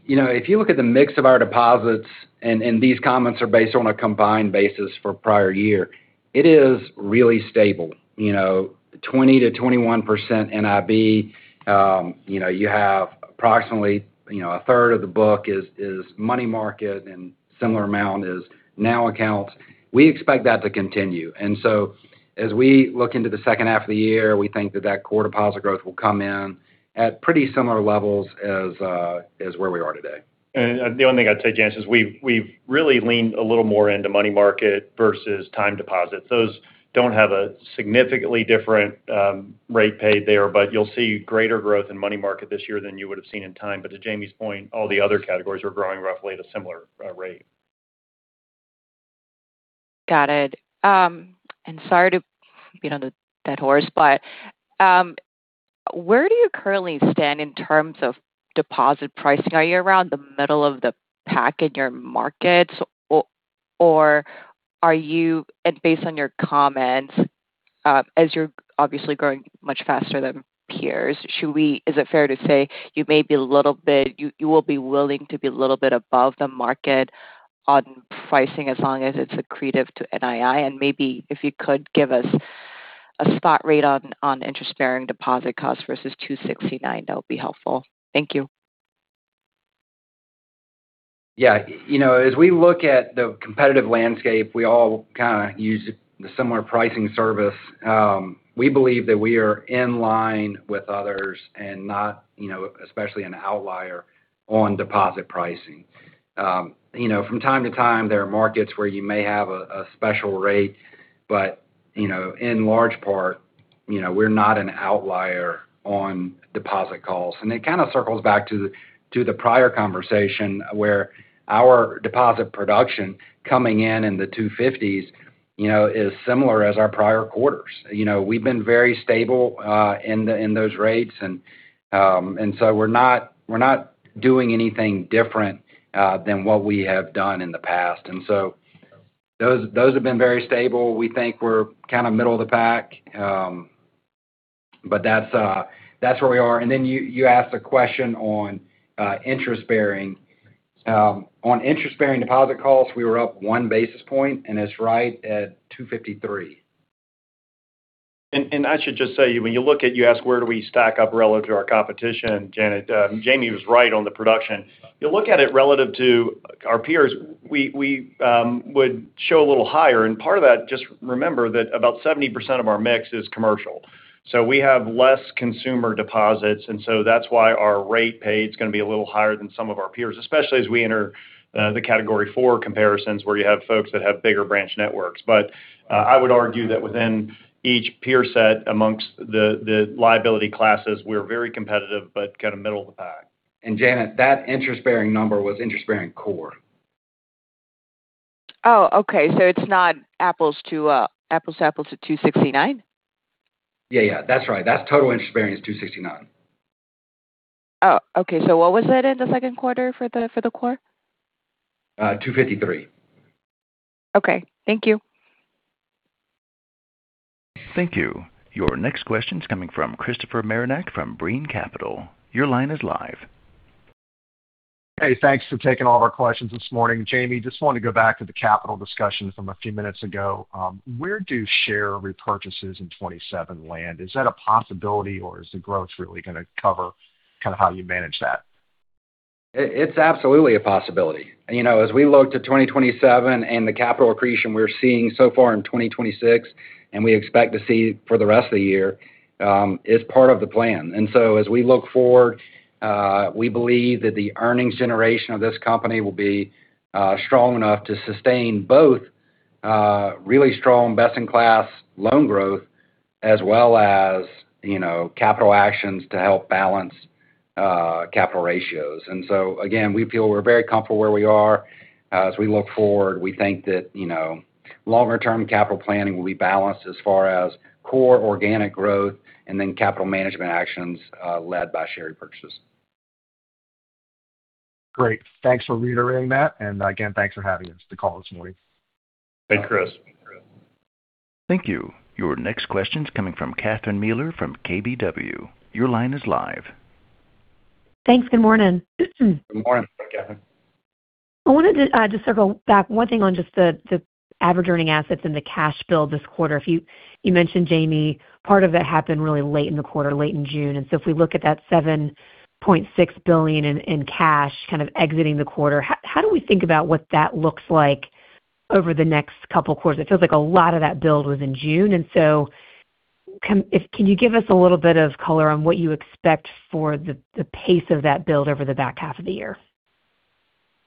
If you look at the mix of our deposits, and these comments are based on a combined basis for prior year, it is really stable. 20%-21% NIB. You have approximately a third of the book is money market and similar amount is NOW accounts. We expect that to continue. As we look into the second half of the year, we think that that core deposit growth will come in at pretty similar levels as where we are today. The only thing I'd say, Janet, is we've really leaned a little more into money market versus time deposits. Those don't have a significantly different rate paid there, but you'll see greater growth in money market this year than you would've seen in time. To Jamie's point, all the other categories are growing roughly at a similar rate. Got it. Sorry to beat on a dead horse, but where do you currently stand in terms of deposit pricing? Are you around the middle of the pack in your markets or based on your comments, as you're obviously growing much faster than peers, is it fair to say you will be willing to be a little bit above the market on pricing as long as it's accretive to NII? Maybe if you could give us a spot rate on interest-bearing deposit costs versus 269, that would be helpful. Thank you. Yeah. As we look at the competitive landscape, we all kind of use the similar pricing service. We believe that we are in line with others and not especially an outlier on deposit pricing. From time to time, there are markets where you may have a special rate, but in large part, we're not an outlier on deposit costs. It kind of circles back to the prior conversation where our deposit production coming in the 250s is similar as our prior quarters. We've been very stable in those rates, so we're not doing anything different than what we have done in the past. So those have been very stable. We think we're kind of middle of the pack. That's where we are. Then you asked a question on interest-bearing. On interest-bearing deposit costs, we were up 1 basis point, and it's right at 253. I should just say, when you look at, you asked where do we stack up relative to our competition, Janet. Jamie was right on the production. You look at it relative to our peers, we would show a little higher. Part of that, just remember that about 70% of our mix is commercial. We have less consumer deposits, so that's why our rate paid is going to be a little higher than some of our peers, especially as we enter the Category IV comparisons where you have folks that have bigger branch networks. I would argue that within each peer set amongst the liability classes, we're very competitive, but kind of middle of the pack. Janet, that interest-bearing number was interest-bearing core. Oh, okay. It's not apples to apples to 269? Yeah. That's right. That total interest bearing is 269. Oh, okay. What was it in the second quarter for the core? 253. Okay. Thank you. Thank you. Your next question's coming from Christopher Marinac from Brean Capital. Your line is live. Hey, thanks for taking all of our questions this morning. Jamie, just want to go back to the capital discussion from a few minutes ago. Where do share repurchases in 2027 land? Is that a possibility, or is the growth really going to cover how you manage that? It's absolutely a possibility. As we look to 2027 and the capital accretion we're seeing so far in 2026, and we expect to see for the rest of the year, is part of the plan. As we look forward, we believe that the earnings generation of this company will be strong enough to sustain both really strong best-in-class loan growth as well as capital actions to help balance capital ratios. Again, we feel we're very comfortable where we are. As we look forward, we think that longer-term capital planning will be balanced as far as core organic growth and then capital management actions led by share repurchases. Great. Thanks for reiterating that. Again, thanks for having us to call this morning. Thanks, Chris. Thank you. Your next question's coming from Catherine Mealor from KBW. Your line is live. Thanks. Good morning. Good morning, Catherine. I wanted to just circle back one thing on just the average earning assets and the cash build this quarter. You mentioned, Jamie, part of that happened really late in the quarter, late in June. If we look at that $7.6 billion in cash kind of exiting the quarter, how do we think about what that looks like over the next couple quarters? It feels like a lot of that build was in June. Can you give us a little bit of color on what you expect for the pace of that build over the back half of the year?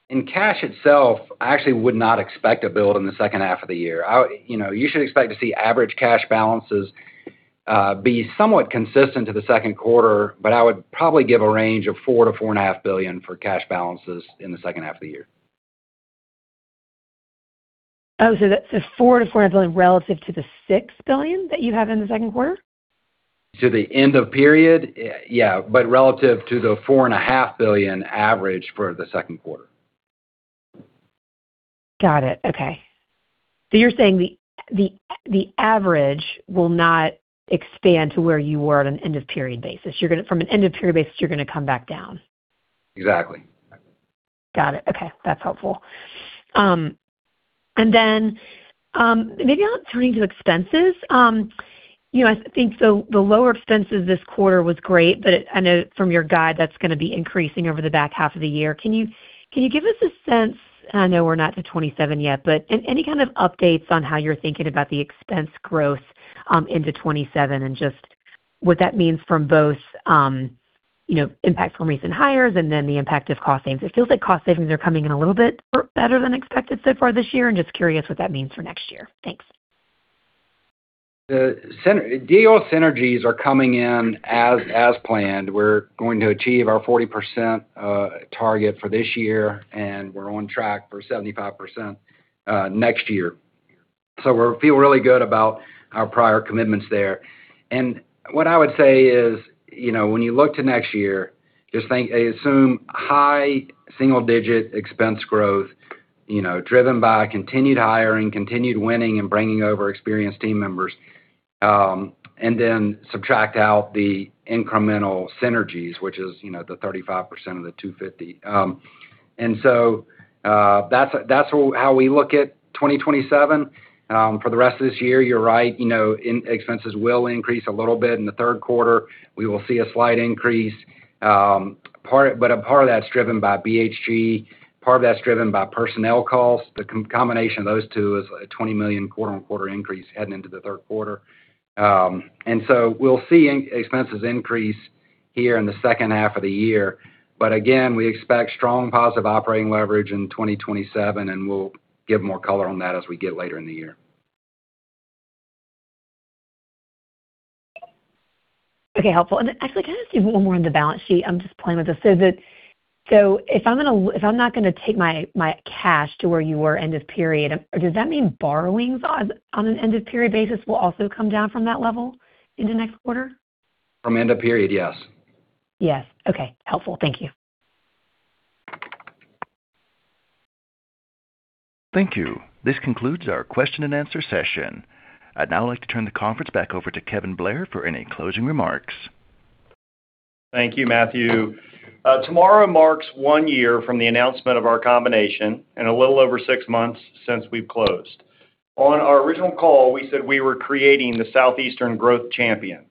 In cash itself, I actually would not expect a build in the second half of the year. You should expect to see average cash balances be somewhat consistent to the second quarter, but I would probably give a range of $4 billion-$4.5 billion for cash balances in the second half of the year. That's a $4 billion-$4.5 billion relative to the $6 billion that you have in the second quarter? To the end of period, yeah. Relative to the $4.5 billion average for the second quarter. Got it. Okay. You're saying the average will not expand to where you were at an end of period basis. From an end of period basis, you're going to come back down. Exactly. Got it. Okay. That's helpful. Maybe turning to expenses. I think the lower expenses this quarter was great, but I know from your guide, that's going to be increasing over the back half of the year. Can you give us a sense, I know we're not to 2027 yet, but any kind of updates on how you're thinking about the expense growth into 2027 and just what that means from both impact from recent hires and then the impact of cost savings? It feels like cost savings are coming in a little bit better than expected so far this year, and just curious what that means for next year. Thanks. The deal synergies are coming in as planned. We're going to achieve our 40% target for this year, and we're on track for 75% next year. We feel really good about our prior commitments there. What I would say is, when you look to next year, just assume high single-digit expense growth driven by continued hiring, continued winning, and bringing over experienced team members, then subtract out the incremental synergies, which is the 35% of the 250. That's how we look at 2027. For the rest of this year, you're right, expenses will increase a little bit in the third quarter. We will see a slight increase. A part of that's driven by BHG, part of that's driven by personnel costs. The combination of those two is a $20 million quarter-on-quarter increase heading into the third quarter. We'll see expenses increase here in the second half of the year. Again, we expect strong positive operating leverage in 2027, and we'll give more color on that as we get later in the year. Okay. Helpful. Actually, can I just do one more on the balance sheet? I'm just playing with this. If I'm not going to take my cash to where you were end of period, does that mean borrowings on an end of period basis will also come down from that level into next quarter? From end of period, yes. Yes. Okay. Helpful. Thank you. Thank you. This concludes our question-and-answer session. I'd now like to turn the conference back over to Kevin Blair for any closing remarks. Thank you, Matthew. Tomorrow marks one year from the announcement of our combination and a little over six months since we've closed. On our original call, we said we were creating the Southeastern growth champion.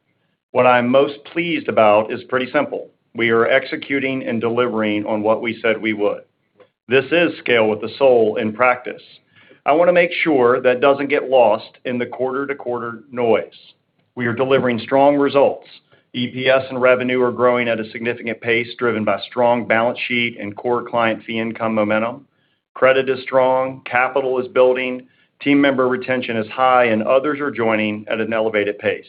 What I'm most pleased about is pretty simple. We are executing and delivering on what we said we would. This is scale with the soul in practice. I want to make sure that doesn't get lost in the quarter-to-quarter noise. We are delivering strong results. EPS and revenue are growing at a significant pace driven by strong balance sheet and core client fee income momentum. Credit is strong, capital is building, team member retention is high, and others are joining at an elevated pace.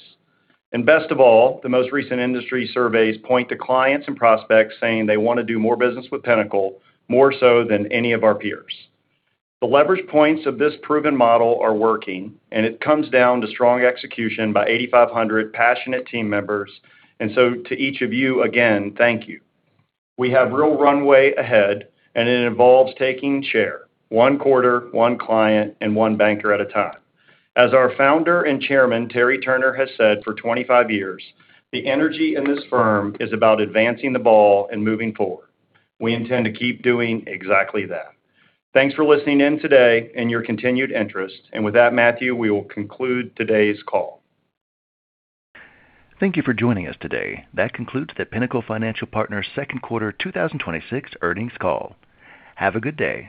Best of all, the most recent industry surveys point to clients and prospects saying they want to do more business with Pinnacle, more so than any of our peers. The leverage points of this proven model are working, and it comes down to strong execution by 8,500 passionate team members. So to each of you, again, thank you. We have real runway ahead, and it involves taking share one quarter, one client, and one banker at a time. As our Founder and Chairman, Terry Turner, has said for 25 years, the energy in this firm is about advancing the ball and moving forward. We intend to keep doing exactly that. Thanks for listening in today and your continued interest. With that, Matthew, we will conclude today's call. Thank you for joining us today. That concludes the Pinnacle Financial Partners' second quarter 2026 earnings call. Have a good day.